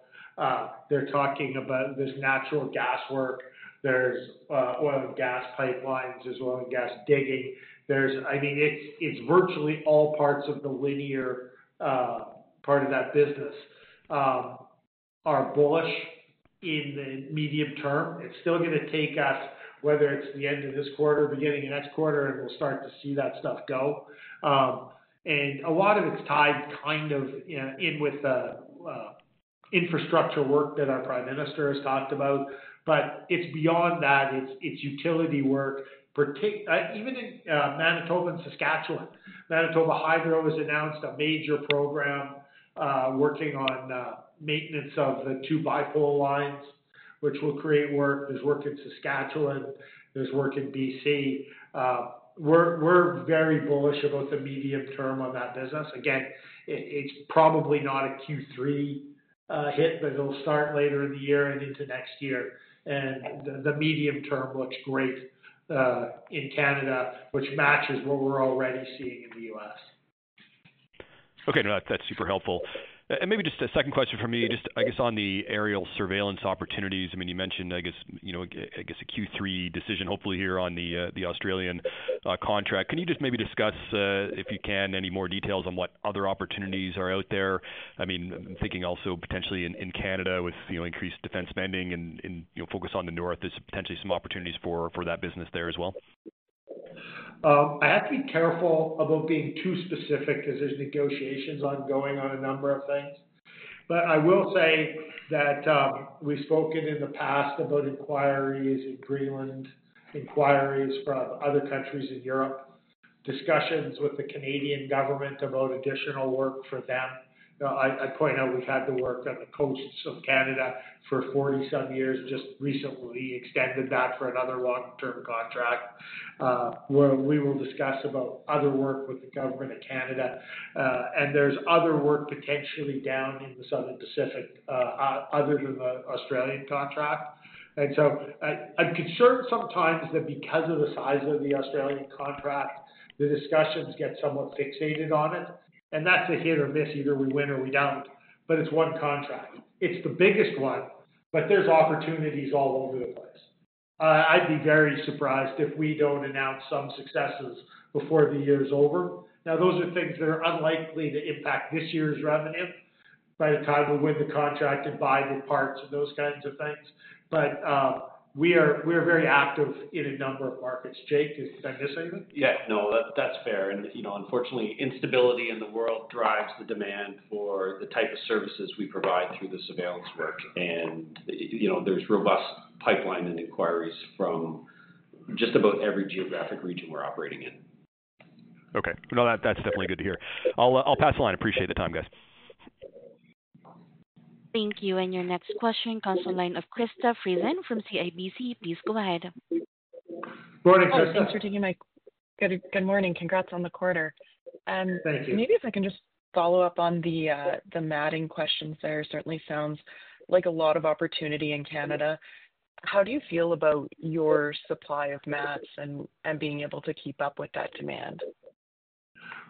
They're talking about this natural gas work. There's oil and gas pipelines as well and gas digging. It's virtually all parts of the linear part of that business are bullish. In the medium term, it's still going to take us whether it's the end of this quarter, beginning of next quarter and we'll start to see that stuff go. A lot of it's tied kind of in with the infrastructure work that our Prime Minister has talked about. It's beyond that. It's utility work even in Manitoba and Saskatchewan. Manitoba Hydro has announced a major program working on maintenance of the two bipolar lines, which will create work. There's work in Saskatchewan, there's work in British Columbia. We're very bullish about the medium term on that business. It's probably not a Q3 hit, but it'll start later in the year and into next year. The medium term looks great in Canada, which matches what we're already seeing. In the U.S., okay, that's super helpful. Maybe just a second question for me, just on the aerial surveillance opportunities. You mentioned, I guess, a Q3 decision hopefully here on the Australian maritime surveillance contract. Can you discuss, if you can, any more details on what other opportunities are out there? I'm thinking also potentially in Canada with increased defense spending and focus on the north, there's potentially some opportunities for that business there as well. I have to be careful about being too specific because there's negotiations ongoing on a number of things. I will say that we've spoken in the past about inquiries in Greenland, inquiries from other countries in Europe, discussions with the Canadian government about additional work for them. I point out we've had the work off the coast of Canada for 40 some years. We just recently extended that for another long-term contract where we will discuss other work with the Government of Canada. There's other work potentially down in the Southern Pacific other than the Australian maritime surveillance contract. I'm concerned sometimes that because of the size of the Australian contract the discussions get somewhat fixated on it, and that's a hit or miss. Either we win or we don't. It's one contract, it's the biggest one, but there's opportunities all over the place. I'd be very surprised if we don't announce some successes before the year is over. Now, those are things that are unlikely to impact this year's revenue by the time we win the contract and buy the parts and those kinds of things. We are very active in a number of markets. Jake, did I miss anything? Yeah, no, that's fair. Unfortunately, instability in the world drives the demand for the type of services we provide through the surveillance work. There's a robust pipeline and inquiries from just about every geographic region we're operating in. Okay, no, that's definitely good to hear. I'll pass the line. Appreciate the time, guys. Thank you. Your next question comes from Krista Friesen from CIBC. Please go ahead. Thanks for taking my question. Good morning. Congrats on the quarter. Thank you. Maybe if I can just follow up. On the matting questions, there certainly sounds like a lot of opportunity in Canada. How do you feel about your supply of mats and being able to keep up with that demand?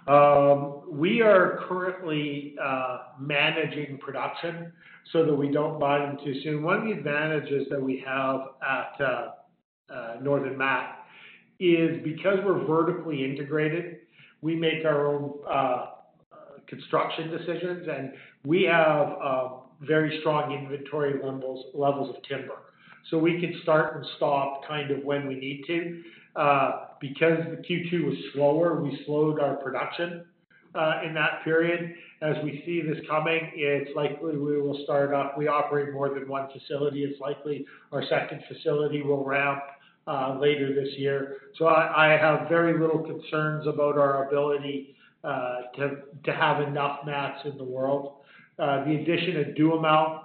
We are currently managing production so that we don't buy them too soon. One of the advantages that we have at Northern Mat is because we're vertically integrated, we make our own construction decisions and we have very strong inventory levels of timber. We can start or stop kind of when we need to. Because Q2 was slower, we slowed our production in that period. As we see this coming, it's likely we will start up. We operate more than one facility. It's likely our second facility will ramp later this year. I have very little concerns about our ability to have enough mats in the world. The addition of Duhamel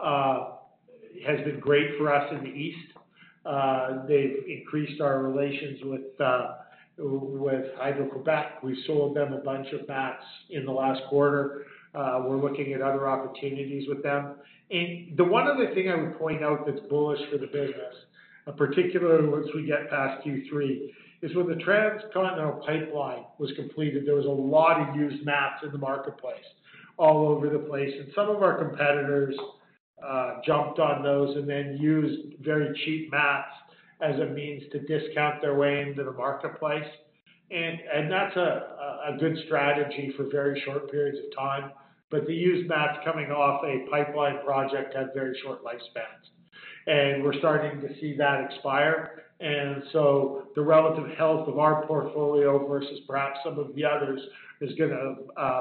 has been great for us in the East. They increased our relations with Hydro Quebec. We sold them a bunch of mats in the last quarter. We're looking at other opportunities with them. One other thing I would point out that's bullish for the business, particularly once we get past Q3, is where the TransCanada pipeline was completed. There was a lot of used mats in the marketplace all over the place. Some of our competitors jumped on those and then used very cheap mats as a means to discount their way into the marketplace. That's a good strategy for very short periods of time. The used mats coming off a pipeline project had very short lifespans and we're starting to see that expire. The relative health of our portfolio versus perhaps some of the others is going to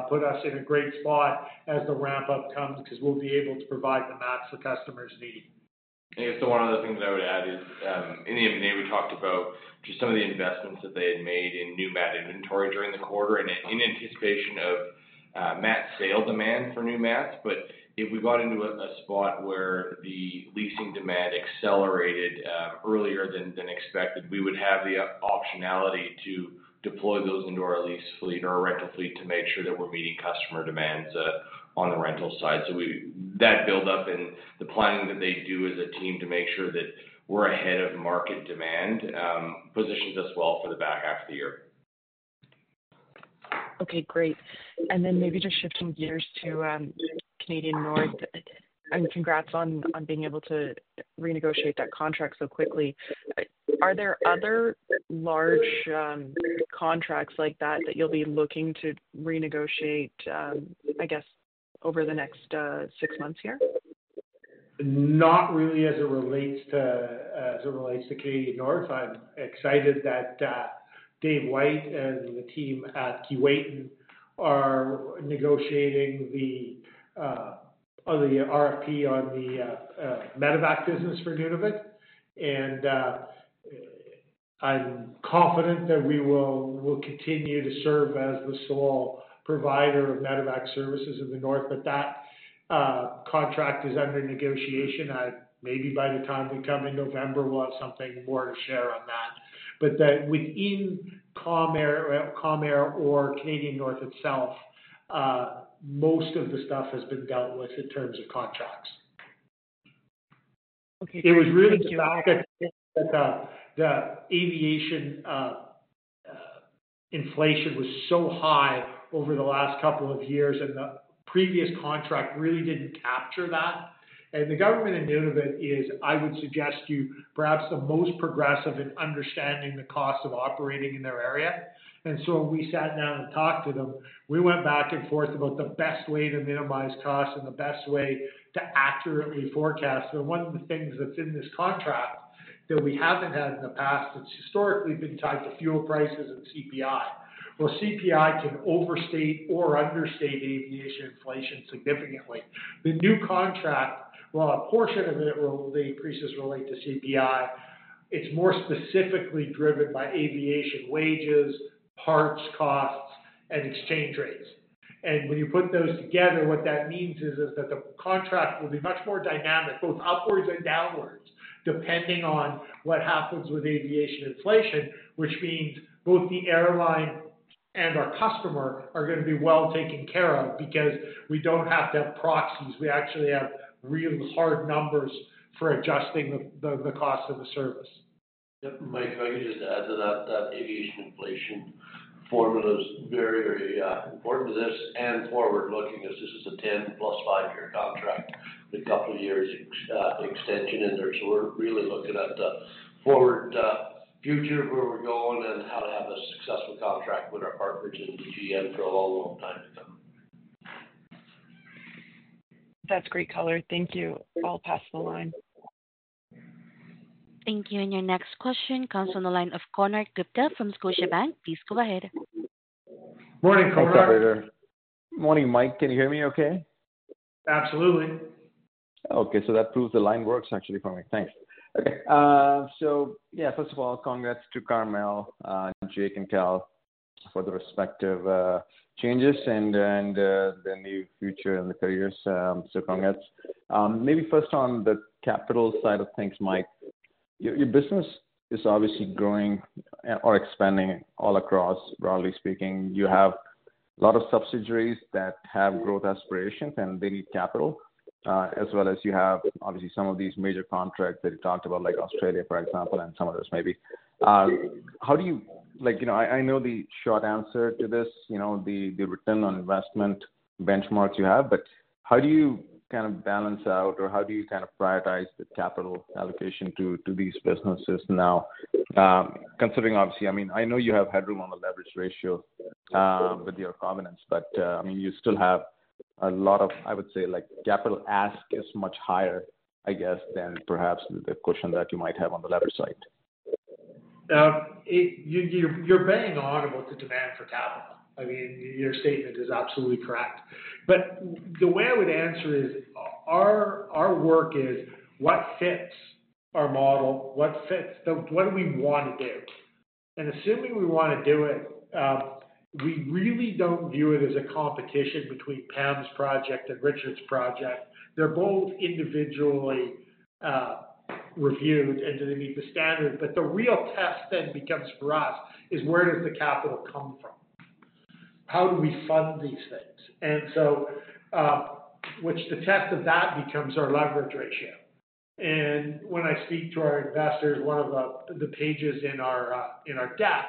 put us in a great spot as the ramp up comes because we'll be able to provide the mats the customers need. One of the things I would add is in the M&A, we talked about just some of the investments that they had made in new mat inventory during the quarter and in anticipation of mat sale demand for new mats. If we got into a spot where the leasing demand accelerated earlier than expected, we would have the offshore functionality to deploy those into our lease fleet or rental fleet to make sure that we're meeting customer demands on the rental side. That build up and the planning that they do as a team to make sure that we're ahead of market demand positions us well for the back half of the year. Okay, great. Maybe just shifting gears to Canadian North. Congrats on being able to renegotiate that contract so quickly. Are there other large contracts like that that you'll be looking to renegotiate, I guess over the next six months here? Not really. As it relates to Canadian North, I'm excited that Dave White and the team at Keewatin are negotiating on the RFP on the medevac business for Nunavut. I'm confident that we will continue to serve as the sole provider of medevac services in the North. That contract is under negotiation. Maybe by the time we come in November, we'll have something more to share on that. Within Canadian North itself, most of the stuff has been dealt with in terms of contracts. Okay. It was really the aviation inflation was so high over the last couple of years. The previous contract really didn't capture that. The Government of Nunavut is, I would suggest, perhaps the most progressive in understanding the cost of operating in their area. We sat down and talked to them. We went back and forth about the best way to minimize costs and the best way to accurately forecast. One of the things that's in this contract that we haven't had in the past has historically been tied to fuel prices and CPI. CPI can overstate or understate aviation inflation significantly. The new contract, a portion of it will, the increases relate to CPI. It's more specifically driven by aviation wages, parts costs, and exchange rates. When you put those together, what that means is that the contract will be much more dynamic, both upwards and downwards, depending on what happens with aviation inflation, which means both the airline and our customer are going to be well taken care of because we don't have to have proxies. We actually have real hard numbers for adjusting the cost of the service. Mike, if I could just add to that, that aviation inflation formula is very, very important to this and forward looking. As this is a 10 plus 5 year contract, a couple of years extension in there, we're really looking at the forward. Future where we're going and how to. Have a successful contract with our partnership into Government of Nunavut for a long, long time to come. That's great color. Thank you. Thank you. Your next question comes from the line of Konark Gupta from Scotiabank. Please go ahead. Morning, Mike, can you hear me okay? Absolutely. Okay, so that proves the line works actually for me. Thanks. Okay, so yeah, first of all, congrats to Carmele. Jake and Carmele for the respective changes and the new future and the careers. So congrats. Maybe first on the capital side of things, Mike, your business is obviously growing or expanding all across, broadly speaking. You have a lot of subsidiaries that have growth aspirations and they need capital as well as you have obviously some of these major contracts that you talked about, like Australia for example, and some others maybe. How do you, like, you know, I know the short answer to this. You know, the return on investment benchmarks you have. How do you kind of balance out or how do you kind of prioritize the capital allocation to these businesses now considering obviously, I mean, I know you have headroom on the leverage ratio with your prominence, but I mean, you still have a lot of, I would say, like capital ask is much higher, I guess, than perhaps the question that you might have on the leverage side. You're bang on about the demand for capital. I mean, your statement is absolutely correct. The way I would answer is our work is what fits our model, what do we want to do? Assuming we want to do it, we really don't view it as a competition between Pam's project and Richard's project. They're both individually reviewed and do they meet the standard? The real test then becomes for us is where does the capital come from? How do we fund these things? The test of that becomes our leverage ratio. When I speak to our investors, one of the pages in our debt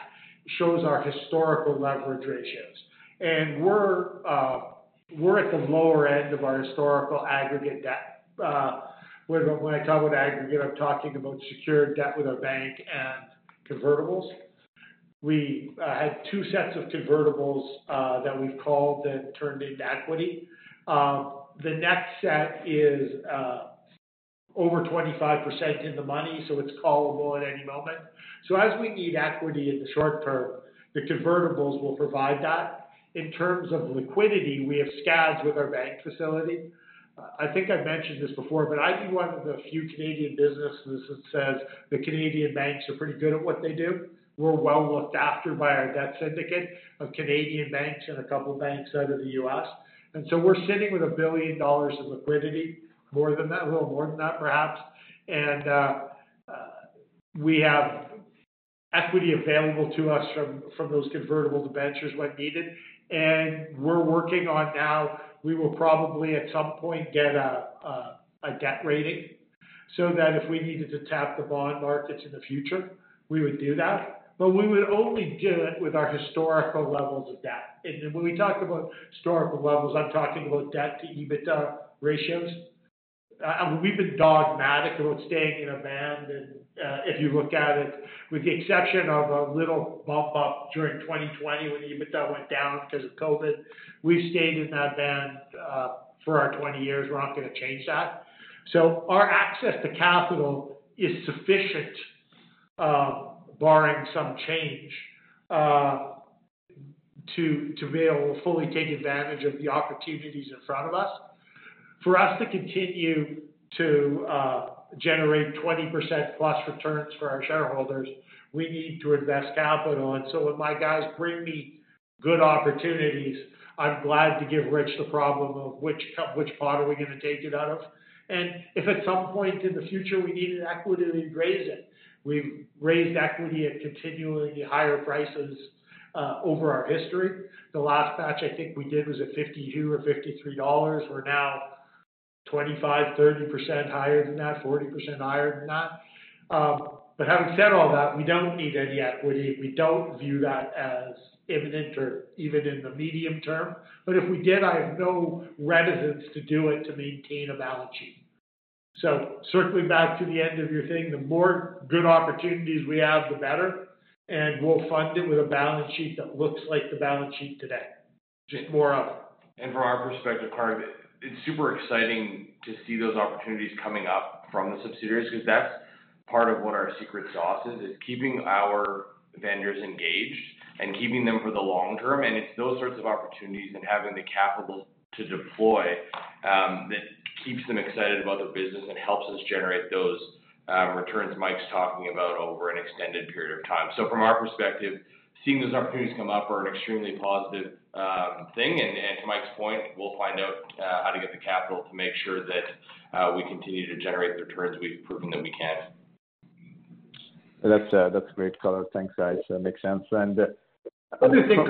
shows our historical leverage ratios and we're at the lower end of our historical aggregate debt. When I talk about aggregate, I'm talking about secured debt with our bank and convertibles. We had two sets of convertibles that we've called that turned into equity. The net set is over 25% in the money, so it's callable at any moment. As we need equity in the short term, the convertibles will provide that. In terms of liquidity, we have scads with our bank facility. I think I've mentioned this before, but I'd be one of the few Canadian businesses that says the Canadian banks are pretty good at what they do. We're well looked after by our debt syndicate of Canadian banks and a couple of banks out of the U.S. and we're sitting with $1 billion of liquidity. More than that, a little more than that, perhaps we have equity available to us from those convertible debentures when needed. We're working on now we will probably at some point get a debt rating so that if we needed to tap the bond markets in the future, we would do that, but we would only do it with our historical levels of debt. When we talk about historical levels, I'm talking about debt to EBITDA ratios. We've been dogmatic about staying in a band. If you look at it, with the exception of a little bump up during 2020 when EBITDA went down because of COVID, we've stayed in that band for our 20 years. We're not going to change that. Our access to capital is sufficient, barring some change, to be able to fully take advantage of the opportunities in front of us. For us to continue to generate 20% plus returns for our shareholders, we need to invest capital. When my guys bring me good opportunities, I'm glad to give Rich the problem of which pot are we going to take it out of? If at some point in the future we needed equity, we'd raise it. We raised equity at continually higher prices over our history. The last batch I think we did was at $52 or $53. We're now 25%, 30% higher than that, 40% higher than that. Having said all that, we don't need that yet. We don't view that as imminent or even in the medium term. If we did, I have no reticence to do it to maintain a balance sheet. Circling back to the end of your thing, the more good opportunities we have, the better. We'll fund it with a balance sheet that looks like the balance sheet today, just more of it. From our perspective, it's super. Exciting to see those opportunities coming up from the subsidiaries because that's part of what our secret sauce is, is keeping our vendors engaged and keeping them for the long term. It's those sorts of opportunities and having the capital to deploy that keeps them excited about the business and helps us generate those returns Mike's talking about over an extended period of time. From our perspective, seeing those opportunities come up are an extremely positive thing. To Mike's point, we'll find out how to get the capital to make sure that we continue to generate the returns. We've proven that we can. That's a great color. Thanks, guys. That makes sense. Other things.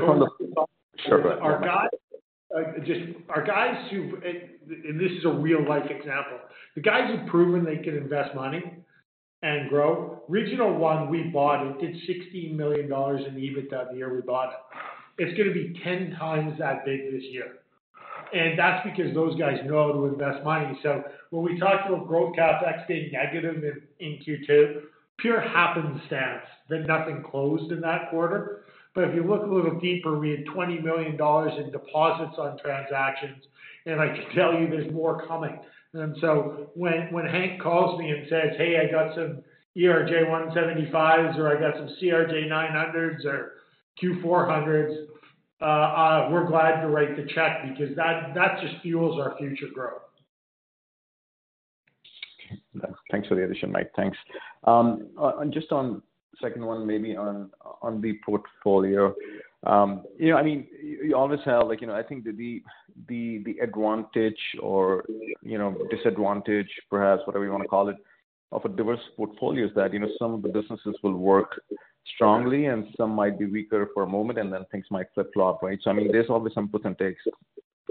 Just our guys who. This is a real life example, the guys have proven they can invest money and grow Regional One. We bought it, did $16 million in EBITDA the year we bought it. It's going to be 10 times that big this year. That's because those guys know how to invest money. When we talked about growth CapEx being negative in Q2, pure happenstance that nothing closed in that quarter. If you look a little deeper, we had $20 million in deposits on transaction and I can tell you there's more coming. When Hank calls me and says, hey, I got some ERJ175s or I got some CRJ900s or Q400s, we're glad to write the check because that just fuels our future growth. Thanks for the addition, Mike. Thanks. Just on second one, maybe on the portfolio, you know, I mean you always have, like, you know, I think that the advantage or, you know, disadvantage, perhaps whatever you want to call it, of a diverse portfolio is that, you know, some of the businesses will work strongly and some might be weaker for a moment and then things might flip flop. Right. I mean, there's always some puts and takes.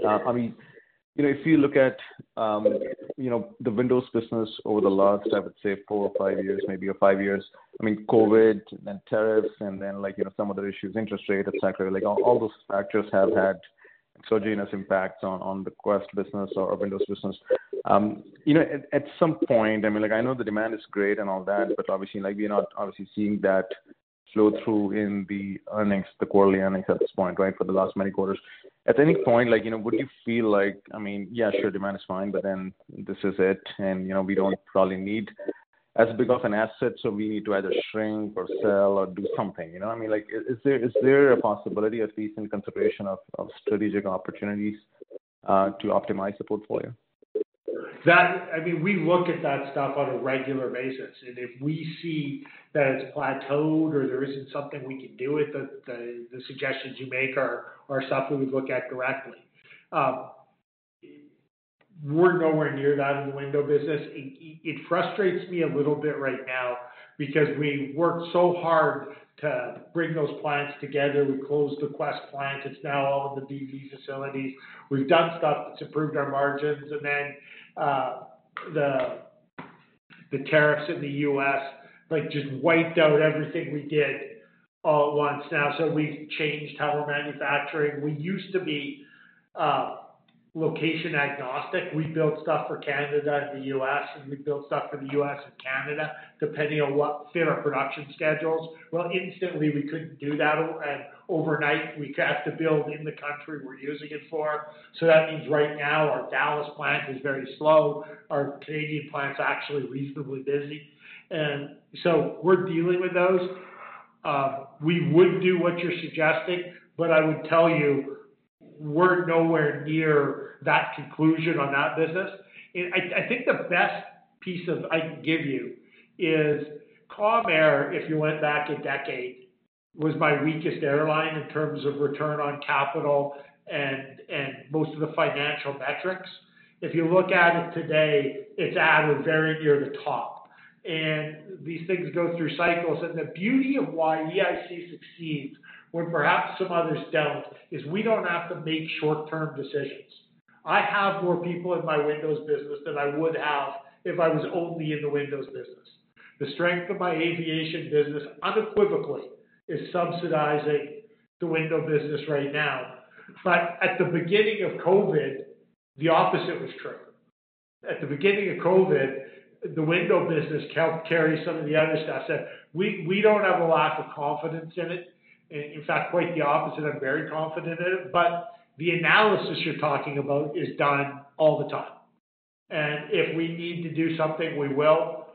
I mean, if you look at the Multi-Story Window Solutions business over the last, I would say, four or five years, maybe five years, Covid and tariffs and then, like, some other issues, interest rate, etc., like all those factors have had exogenous impacts on the Multi-Story Window Solutions business. You know, at some point. I mean, I know the demand is great and all that, but obviously we're not seeing that flow through in the earnings, the quarterly earnings at this point, right, for the last many quarters. At any point, would you feel like, I mean, yeah, sure, demand is fine, but then this is it and we don't probably need as big of an asset, so we need to either shrink or sell or do something. Is there a possibility, at least in consideration of strategic opportunities to optimize the portfolio, that I mean? We look at that stuff on a regular basis, and if we see that it's plateaued or there isn't something we can do with it, the suggestions you make are stuff we look at correctly. We're nowhere near that in the window business. It frustrates me a little bit right now because we worked so hard to bring those plants together. We closed the Quest plant; it's now all of the BV facilities. We've done stuff that's improved our margins, and then the tariffs in the U.S. just wiped out everything we did all at once. We changed, hello manufacturing. We used to be location agnostic. We built stuff for Canada and the U.S., and we built stuff for the U.S. and Canada, depending on what fit our production schedules. Instantly, we could do that, and overnight we have to build in the country we're using it for. That means right now our Dallas plant is very slow. Our Canadian plant's actually reasonably busy, and we're dealing with those. We would do what you're suggesting, but I would tell you we're nowhere near that conclusion on that business. I think the best piece I can give you is Comair, if you went back a decade, was my weakest airline in terms of return on capital and most of the financial metrics. If you look at it today, it's at or very near the top. These things go through cycles. The beauty of why EIC succeeds when perhaps some others don't is we don't have to make short-term decisions. I have more people in my windows business than I would have if I was only in the windows business. The strength of my aviation business unequivocally is subsidizing the window business right now. At the beginning of COVID, the opposite was true. At the beginning of COVID, the window business helped carry some of the other stuff. We don't have a lack of confidence in it. In fact, quite the opposite. I'm very confident in it. The analysis you're talking about is done all the time, and if we need to do something, we will.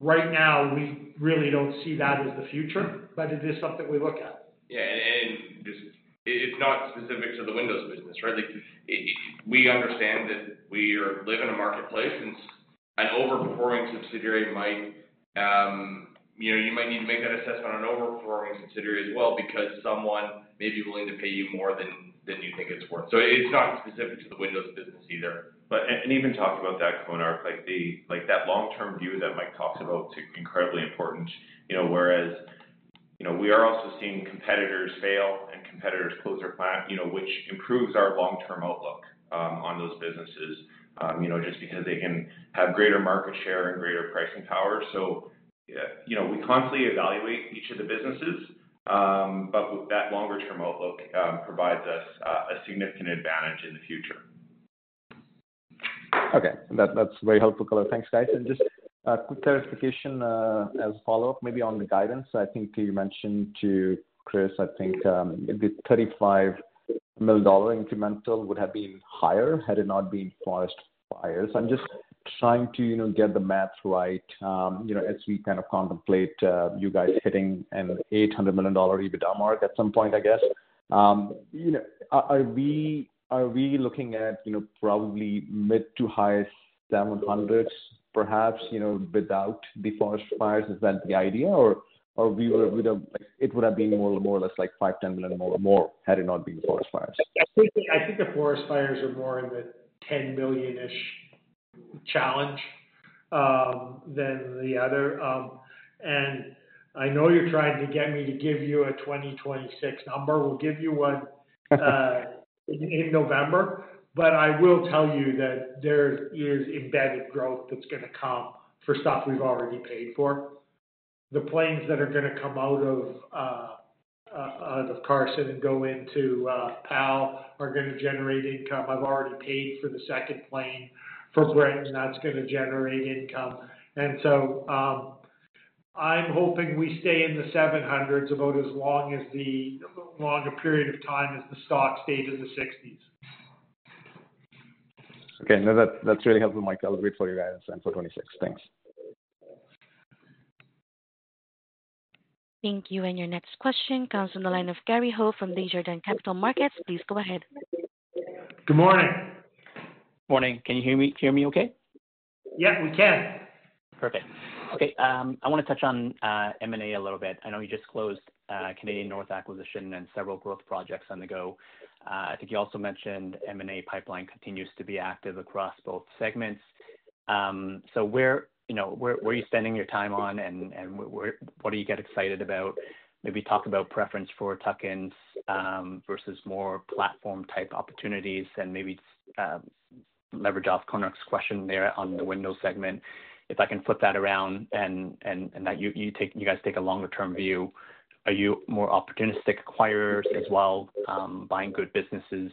Right now, we really don't see that as the future, but it is something we look at. Yeah, it's not specific to the Multi-Story Window Solutions business. Right. We understand that we are live in a marketplace and an overperforming subsidiary might, you know, you might need to make that assessment on an overperforming subsidiary as well because someone may be willing to pay you more than you think it's worth. It's not specific to the Multi-Story Window Solutions business either. Even talking about that, Konark, like that long-term view that Mike talks about, incredibly important, you know, whereas we are also seeing competitors fail and competitors close their plant, you know, which improves our long-term outlook on those businesses, just because they can have greater market share and greater pricing power. You know, we constantly evaluate each of the businesses, but that longer-term outlook provides us a significant advantage in the future. Okay, that's very helpful. Thanks, guys. Just a quick clarification as a follow-up maybe on the guidance I think you mentioned to Chris. I think the $35 million incremental would have been higher had it not been forest fires. I'm just trying to get the math right. As we kind of contemplate you guys hitting an $800 million EBITDA mark at some point, I guess, you know, are we looking at probably mid to high $700 million perhaps, you know, without the forest fires. Is that the idea? Or would it have been more or less like $5 million, $10 million more had it not been forest fires. I think the forest fires are more in the $10 billion-ish challenge than the other. I know you're trying to get me to give you a 2026 number. We'll give you one in November. I will tell you that there is embedded growth that's going to come for stuff we've already paid for. The planes that are going to come out of the Carson and go into Powell are going to generate income. I've already paid for the second plane for Brent and that's going to generate income. I'm hoping we stay in the seven hundreds about as long as the longer period of time as the stock stayed in the 60s. Okay, no, that's really helpful, Mike. I'll wait for you guys. M 426. Thanks. Thank you. Your next question comes from the line of Gary Ho from Jordan Capital Markets. Please go ahead. Good morning. Can you hear me okay? Yeah, we can. Perfect. Okay. I want to touch on M&A a little bit. I know you just closed the Canadian North acquisition and several growth projects on the go. I think you also mentioned the M&A pipeline. Continue active across both segments. Where, you know, what are you spending your time on and what do? You get excited about? Maybe talk about preference for tuck-ins versus more platform type opportunities, and maybe leverage off Konark's question there on the Multi-Story Window Solutions segment. If I can flip that around and that you guys take a longer term view, are you more opportunistic acquirers as well, buying good businesses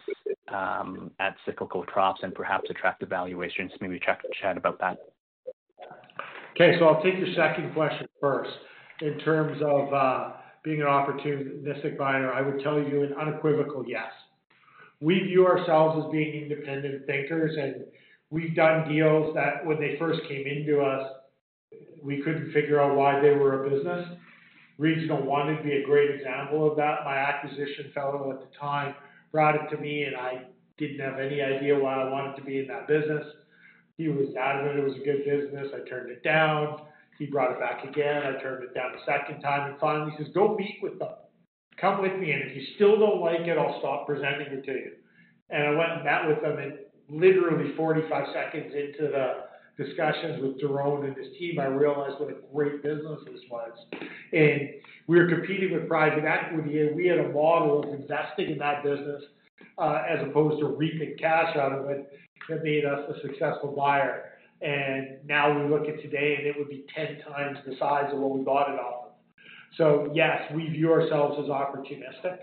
at cyclical troughs and perhaps attractive valuations? Maybe chat about that. Okay, I'll take the second question first. In terms of being an opportunistic buyer, I would tell you an unequivocal yes. We view ourselves as being independent bankers and we've done deals that when they first came into us, we couldn't figure out why they were a business. Regional would be a great example of that. My acquisition fellow at the time brought it to me and I didn't have any idea why I wanted to be in that business. He was adamant it was a good business. I turned it down. He brought it back again. I turned it down the second time and finally says, don't be with them, come with me and if you still don't like it, I'll stop presenting it to you. I went and met with them and literally 45 seconds into the discussions with Jerome and his team, I realized what a great business this was. We were competing with private equity and we had a model of investing in that business as opposed to reaping cash out of it to be a successful buyer. Now we look at today and it would be 10 times the size of what we bought it off of. Yes, we view ourselves as opportunistic.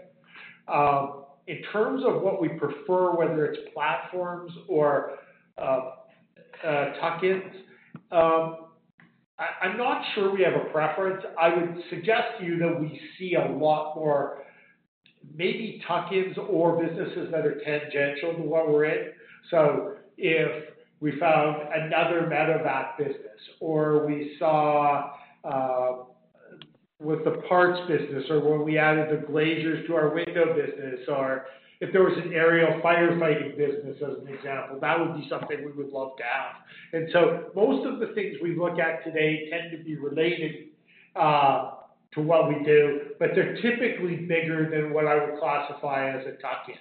In terms of what we prefer, whether it's platforms or tuck-ins, I'm not sure we have a preference. I would suggest to you that we see a lot more maybe tuck-ins or businesses that are tangential to what we're in. If we found another medevac business or we saw with the parts business, or where we added the glazers to our window business, or if there was an aerial firefighting business as an example, that would be something we would love to have. Most of the things we look at today tend to be related to what we do, but they're typically bigger than what I would classify as a tuck-in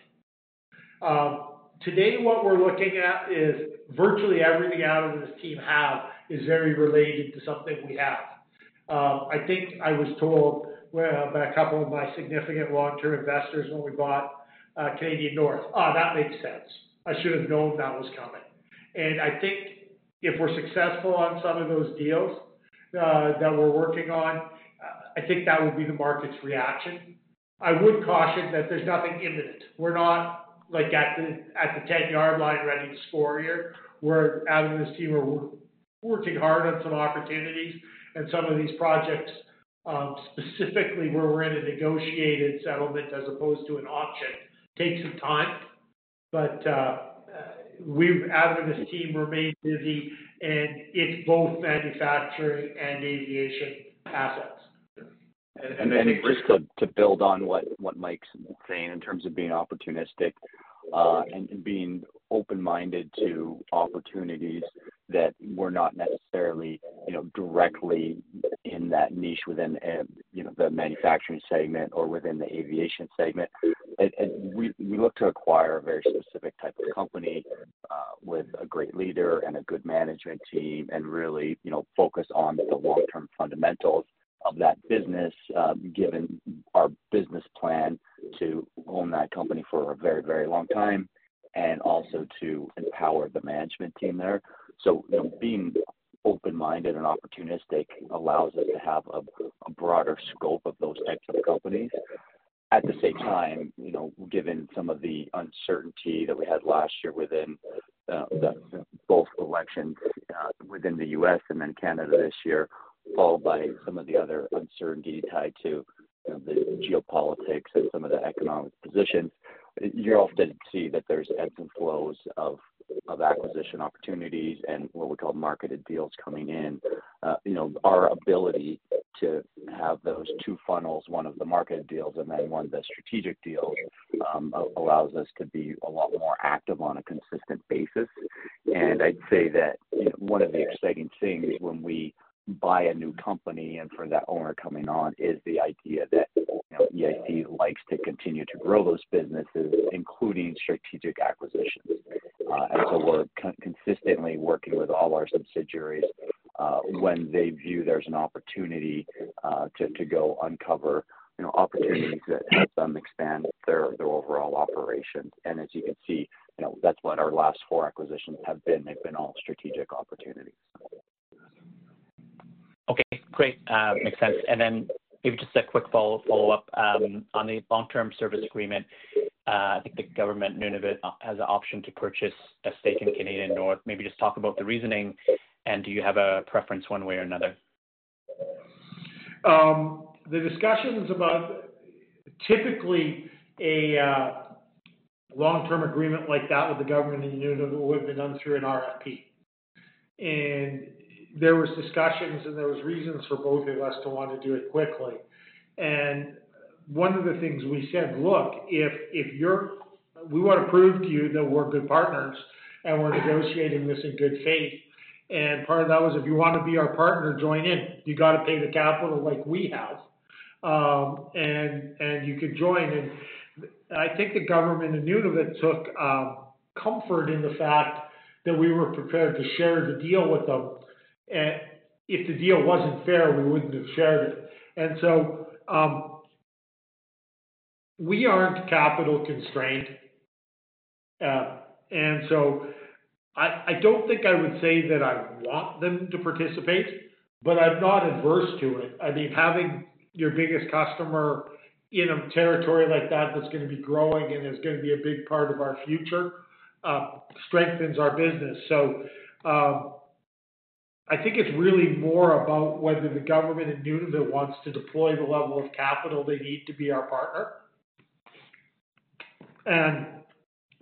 today. What we're looking at is virtually everything Adam and his team have is very related to something we have. I think I was told by a couple of my significant long-term investors when we bought Canadian North that made sense. I should have known that was coming. If we're successful on some of those deals that we're working on, I think that would be the market's reaction. I would caution that there's nothing imminent. We're not at the 10-yard line ready to score here. Adam's team are working hard on some opportunities and some of these projects, specifically where we're in a negotiated settlement as opposed to an auction, take some time. Adam and his team remain busy and it's both manufacturing and aviation assets. To build on what Mike's saying in terms of being opportunistic and being open minded to opportunities that were not necessarily directly in that niche within the manufacturing segment or within the aviation segment, we look to acquire a very specific type of company with a great leader and a good management team, and really focus on the long term fundamentals of that business, given our business plan to own that. Company for a very, very long time, and also to empower the management team there. Being open minded and opportunistic allows us to have a broader scope of those types of companies. At the same time, given some of the uncertainty that we had last year within both elections within the U.S. and then Canada this year, followed by some of the other uncertainty tied to geopolitics and some of the economic position, you often see that there's ebbs and flows of acquisition opportunities and what we call. Marketed deals coming in. You know, our ability to have those two funnels, one of the market deals and then one of the strategic deal, allows us to be a lot more active on a consistent basis. I'd say that one of the exciting things when we buy a new. Company and for that owner coming on. Is the idea that EIC likes to. Continue to grow those businesses, including strategic acquisition. We're consistently working with all our subsidiaries when they view there's an opportunity to go uncover opportunities that help. Them expand their overall operations. As you can see, that's what our last four acquisitions have been. They've been all strategic opportunities. Okay, great, makes sense. Maybe just a quick follow up on the long term service agreement. I think the Government of Nunavut has an option to purchase a stake in Canadian North. Maybe just talk about the reasoning and do you have a preference one way or another? The discussion is about typically a long-term agreement like that with the Government of Nunavut would be done through an RFP. There were discussions and there were reasons for both of us to want to do it quickly. One of the things we said, look, if you're, we want to prove to you that we're good partners and we're negotiating this in good faith. Part of that was if you want to be our partner, join in. You got to pay the capital like we have and you could join. I think the Government of Nunavut took comfort in the fact that we were prepared to share the deal with them. If the deal wasn't fair, we wouldn't have shared it. We aren't capital constrained. I don't think I would say that I want them to participate, but I'm not adverse to it. I mean, having your biggest customer in a territory like that, that's going to be growing and is going to be a big part of our future, strengthens our business. I think it's really more about whether the Government of Nunavut wants to deploy the level of capital they need to be our partner.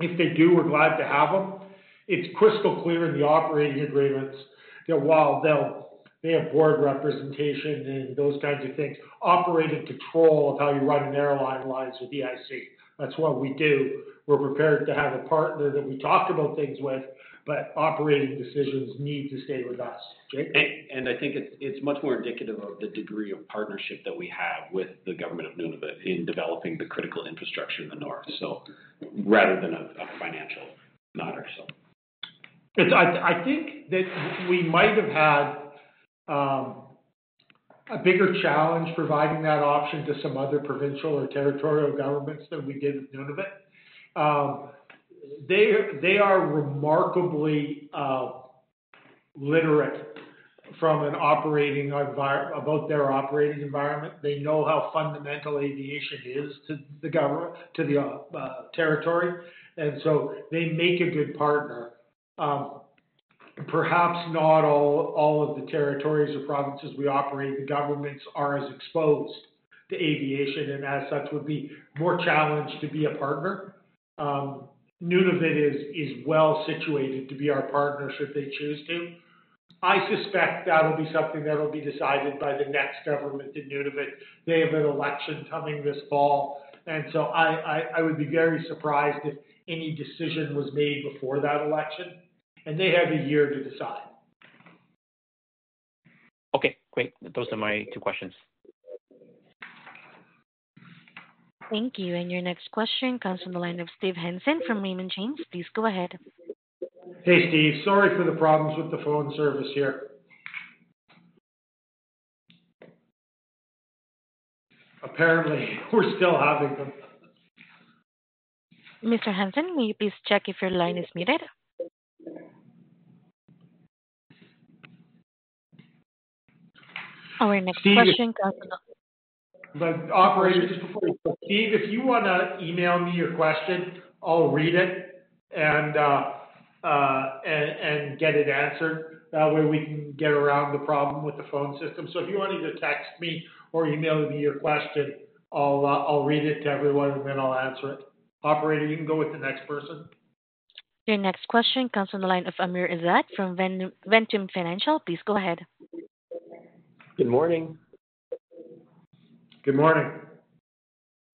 If they do, we're glad to have them. It's crystal clear in the operating agreements while they'll have board representation and those kinds of things, operating control of how you run an airline lies with EIC, that's what we do. We're prepared to have a partner that we talk about things with, but operating decisions need to stay with us. It is much more indicative of the degree of partnership that we have with the Government of Nunavut in developing the critical infrastructure in the North, rather than a financial matter. I think that we might have had a bigger challenge providing that option to some other provincial or territorial governments than we did Nunavut. They are remarkably literate from an operating environment about their operating environment. They know how fundamental aviation is to the government, to the territory, and so they make a good partner. Perhaps not all of the territories or provinces we operate, the governments are as exposed to aviation and as such would be more challenged to be a partner. Nunavut is well situated to be our partnership if they choose to. I suspect that'll be something that'll be decided by the next government in Nunavut. They have an election coming this fall. I would be very surprised if any decision was made before that election. They have a year to decide. Okay, great. Those are my two questions. Thank you. Your next question comes from the line of Steve Hansen from Raymond James. Please go ahead. Hey, Steve, sorry for the problems with the phone service here. Apparently we're still having them. Mr. Hansen, may you please check if your line is needed? All right, next question. Operator, Steve, if you want to email me your question, I'll read it and get it answered. That way we can get around the problem with the phone system. If you want, either text me or email me your question, I'll read it to everyone and then I'll answer it. Operator, you can go with the next person. Your next question comes from the line of Amir Azad from Ventum Financial. Please go ahead. Good morning. Good morning.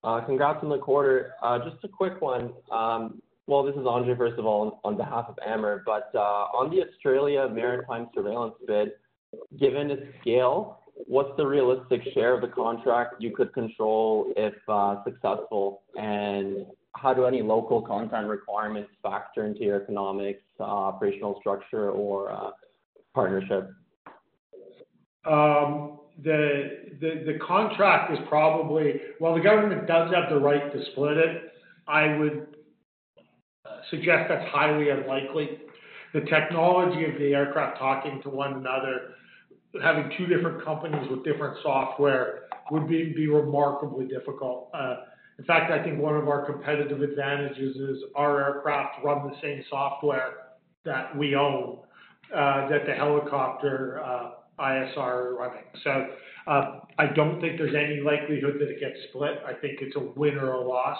Congrats on the quarter. Just a quick one. This is Andre, first of all, on behalf of Amir, but on the Australian maritime surveillance contract, given its scale, what's the realistic share of the contract you could control if successful, and how do any local content requirements factor into your economic, operational structure or partnership? The contract is probably. While the government does have the right to split it, I would suggest that's highly unlikely. The technology of the aircraft talking to one another, having two different companies with different software would be remarkably difficult. In fact, I think one of our competitive advantages is our aircraft run the same software that we own that the helicopter ISR running. I don't think there's any likelihood that it gets split. I think it's a win or a loss.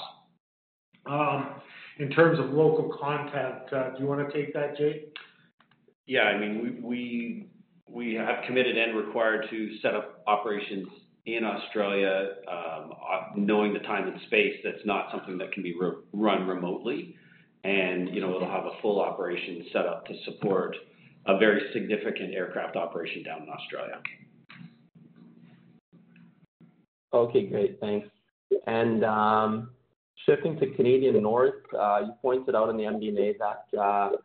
In terms of local content, do you want to take that, Jay? Yeah, I mean, we. We have committed and are required to set up operations in Australia. Knowing the time and space, that's not something that can be run remotely. It'll have a full operation set up to support a very significant aircraft operation down in Australia. Okay, great, thanks. Shifting to Canadian North, you pointed out in the MD&A that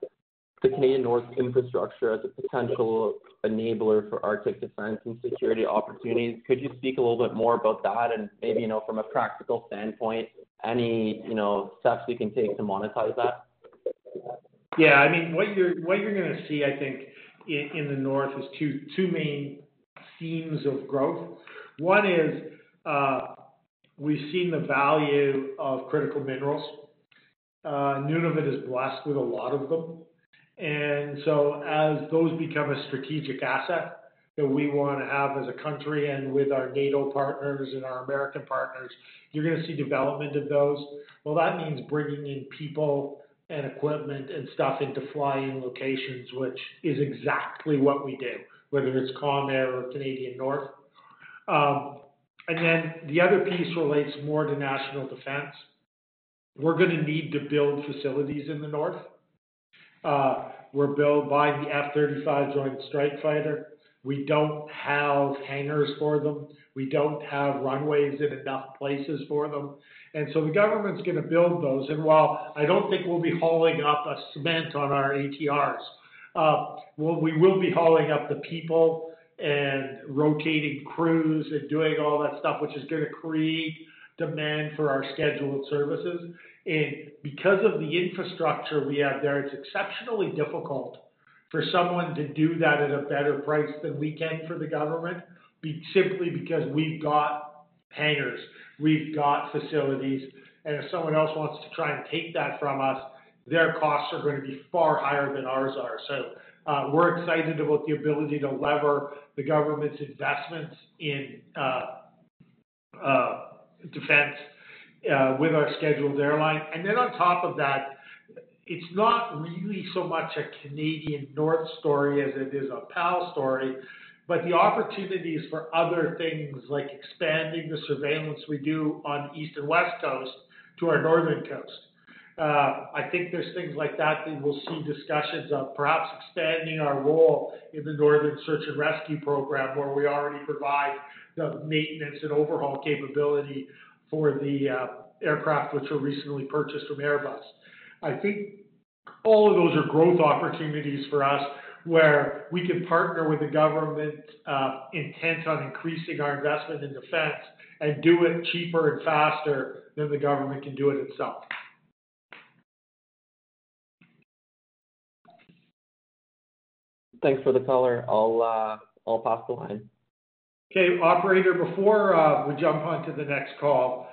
Canadian North's infrastructure as a potential enabler for Arctic defense and security opportunities. Could you speak a little bit more about that and maybe, you know, from a practical standpoint, any steps you can take to monetize that? Yeah, I mean, what you're going to see, I think in the North is two main themes of growth. One is we've seen the value of critical minerals. Nunavut is blessed with a lot of them, and as those become a strategic asset that we want to have as a country and with our NATO partners and our American partners, you're going to see development of those. That means bringing in people and equipment and stuff into fly-in locations, which is exactly what we do, whether it's Comair or Canadian North. The other piece relates more to national defense. We're going to need to build facilities in the North. We're built by the F-35 Joint Strike Fighter. We don't have hangars for them, we don't have runways in enough places for them, and the government's going to build those. I don't think we'll be hauling up the cement on our ATRs, but we will be hauling up the people and rotating crews and doing all that stuff, which is going to create demand for our scheduled services. Because of the infrastructure we have there, it's exceptionally difficult for someone to do that at a better price than we can for the government simply because we've got hangars, we've got facilities, and if someone else wants to try and take that from us, their costs are going to be far higher than ours are. We're excited about the ability to lever the government's investments in defense with our scheduled airline. On top of that, it's not really so much a Canadian North story as it is a PAL story, but the opportunities for other things like expanding the surveillance we do on east and west coast to our northern coast. I think there's things like that that we'll see discussions of, perhaps expanding our role in the northern search and rescue program, where we already provide the maintenance and overhaul capability for the aircraft which were recently purchased from Airbus. I think all of those are growth opportunities for us where we can partner with the government intent on increasing our investment in defense and do it cheaper and faster than the government can do it itself. Thanks for the color. I'll pass the line. Okay, operator. Before we jump onto the next call,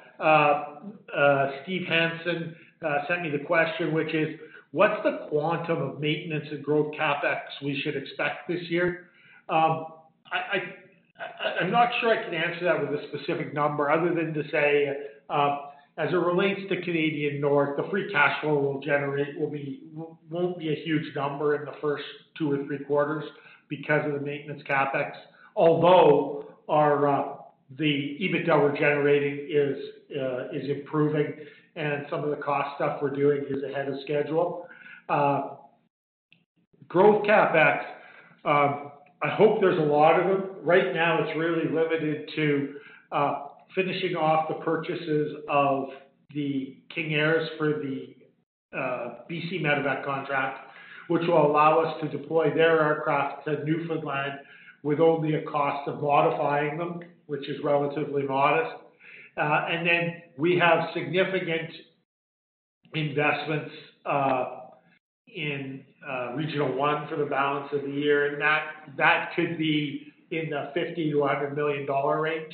Steve Hansen sent me the question, which is what's the quantum of maintenance and growth CapEx we should expect this year? I'm not sure I can answer that with a specific number other than to say, as it relates to Canadian North, the free cash flow we generate won't be a huge number in the first two or three quarters because of the maintenance CapEx, although the EBITDA we're generating is improving and some of the cost stuff we're doing is ahead of schedule. Growth CapEx, I hope there's a lot of them. Right now it's really limited to finishing off the purchases of the King Airs for the B.C. medevac contract, which will allow us to deploy their aircraft to Newfoundland with only a cost of modifying them, which is relatively modest. We have significant investments in Regional One for the balance of the year and that could be in the $50 million to $100 million range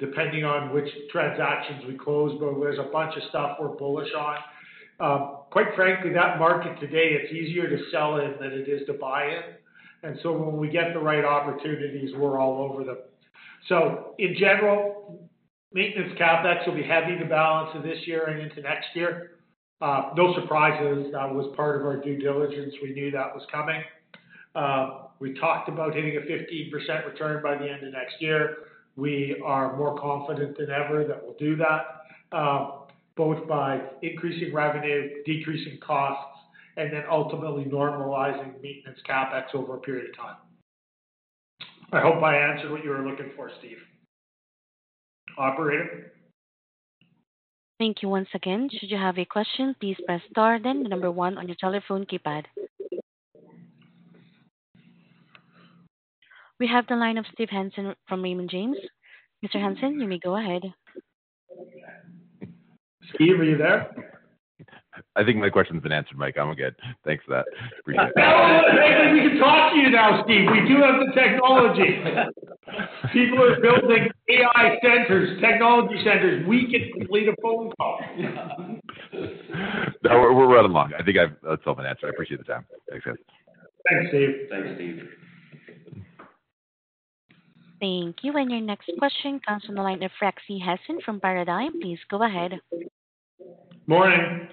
depending on which transactions we close. There's a bunch of stuff we're bullish on, quite frankly. That market today, it's easier to sell it than it is to buy in. When we get the right opportunities, we're all over the place. In general, maintenance CapEx will be heavy the balance of this year and into next year, no surprises. That was part of our due diligence. We knew that was coming. We talked about hitting a 15% return by the end of next year. We are more confident than ever that we'll do that both by increasing revenue, decreasing costs, and ultimately normalizing maintenance CapEx over a period of time. I hope I answered what you were looking for, Steve. Operator, thank you once again. Should you have a question, please press star, then the number one on your telephone keypad. We have the line of Steve Hansen from Raymond James. Mr. Hansen, you may go ahead. Steve, are you there? I think my question's been answered, Mike. I'm good, thanks for that. We can talk to you now. Steve, we do have the technology. People are building AI centers, technology centers. We can complete a phone call. We're right along. I think that's all my answer. I appreciate the time. Thanks, Steve. Thanks, Steve. Thank you. Your next question comes from the line of Razi Hasan from Paradigm. Please go ahead. Morning.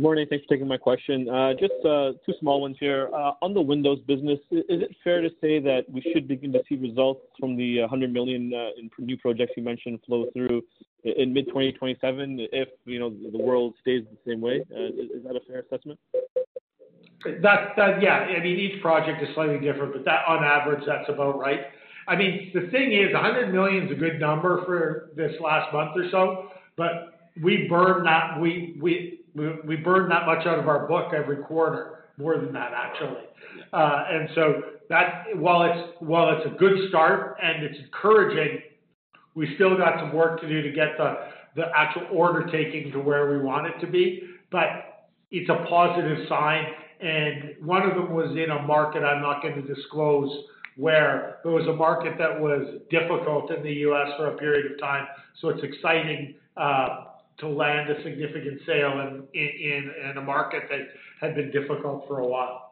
Morning. Thanks for taking my question. Just two small ones here on the Windows business. Is it fair to say that we should begin to see results from the $100 million in new projects you mentioned flow through in mid-2027 if, you know, the world stays the same way? Is that a fair assessment? Yeah, I mean, each project is slightly different, but that, on average, that's about right. The thing is, $100 million is a good number for this last month or so, but we burned that. We burned that much out of our book every quarter, more than that, actually. While it's a good start and it's encouraging, we still got some work to do to get the actual order taking to where we want it to be. It's a positive sign. One of them was in a market—I'm not going to disclose where it was—a market that was difficult in the U.S. for a period of time. It's exciting to land a significant sale in a market that had been difficult for a while.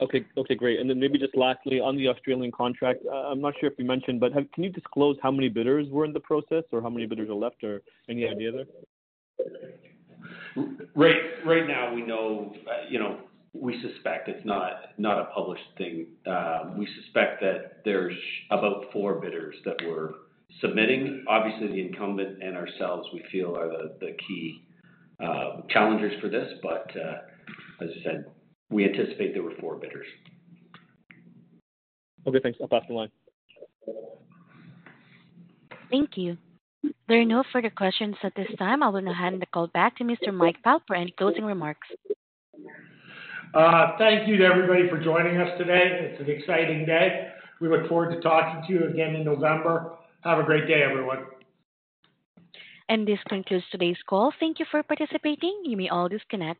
Okay. Okay, great. Maybe just lastly on the Australian maritime surveillance contract, I'm not sure if you mentioned, but can you disclose how many bidders were in the process or how. many bidders are left or any idea there? Right, right. We know, we suspect it's not a published thing. We suspect that there's about four bidders that were submitting. Obviously, the incumbent and ourselves, we feel, are the key challengers for this. As I said, we anticipate there were four bidders. Okay, thanks. I'll pass the line. Thank you. There are no further questions at this time. I will now hand the call back to Mr. Mike Pyle for any closing remarks. Thank you to everybody for joining us today. It's an exciting day. We look forward to talking to you again in November. Have a great day, everyone. This concludes today's call. Thank you for participating. You may all disconnect.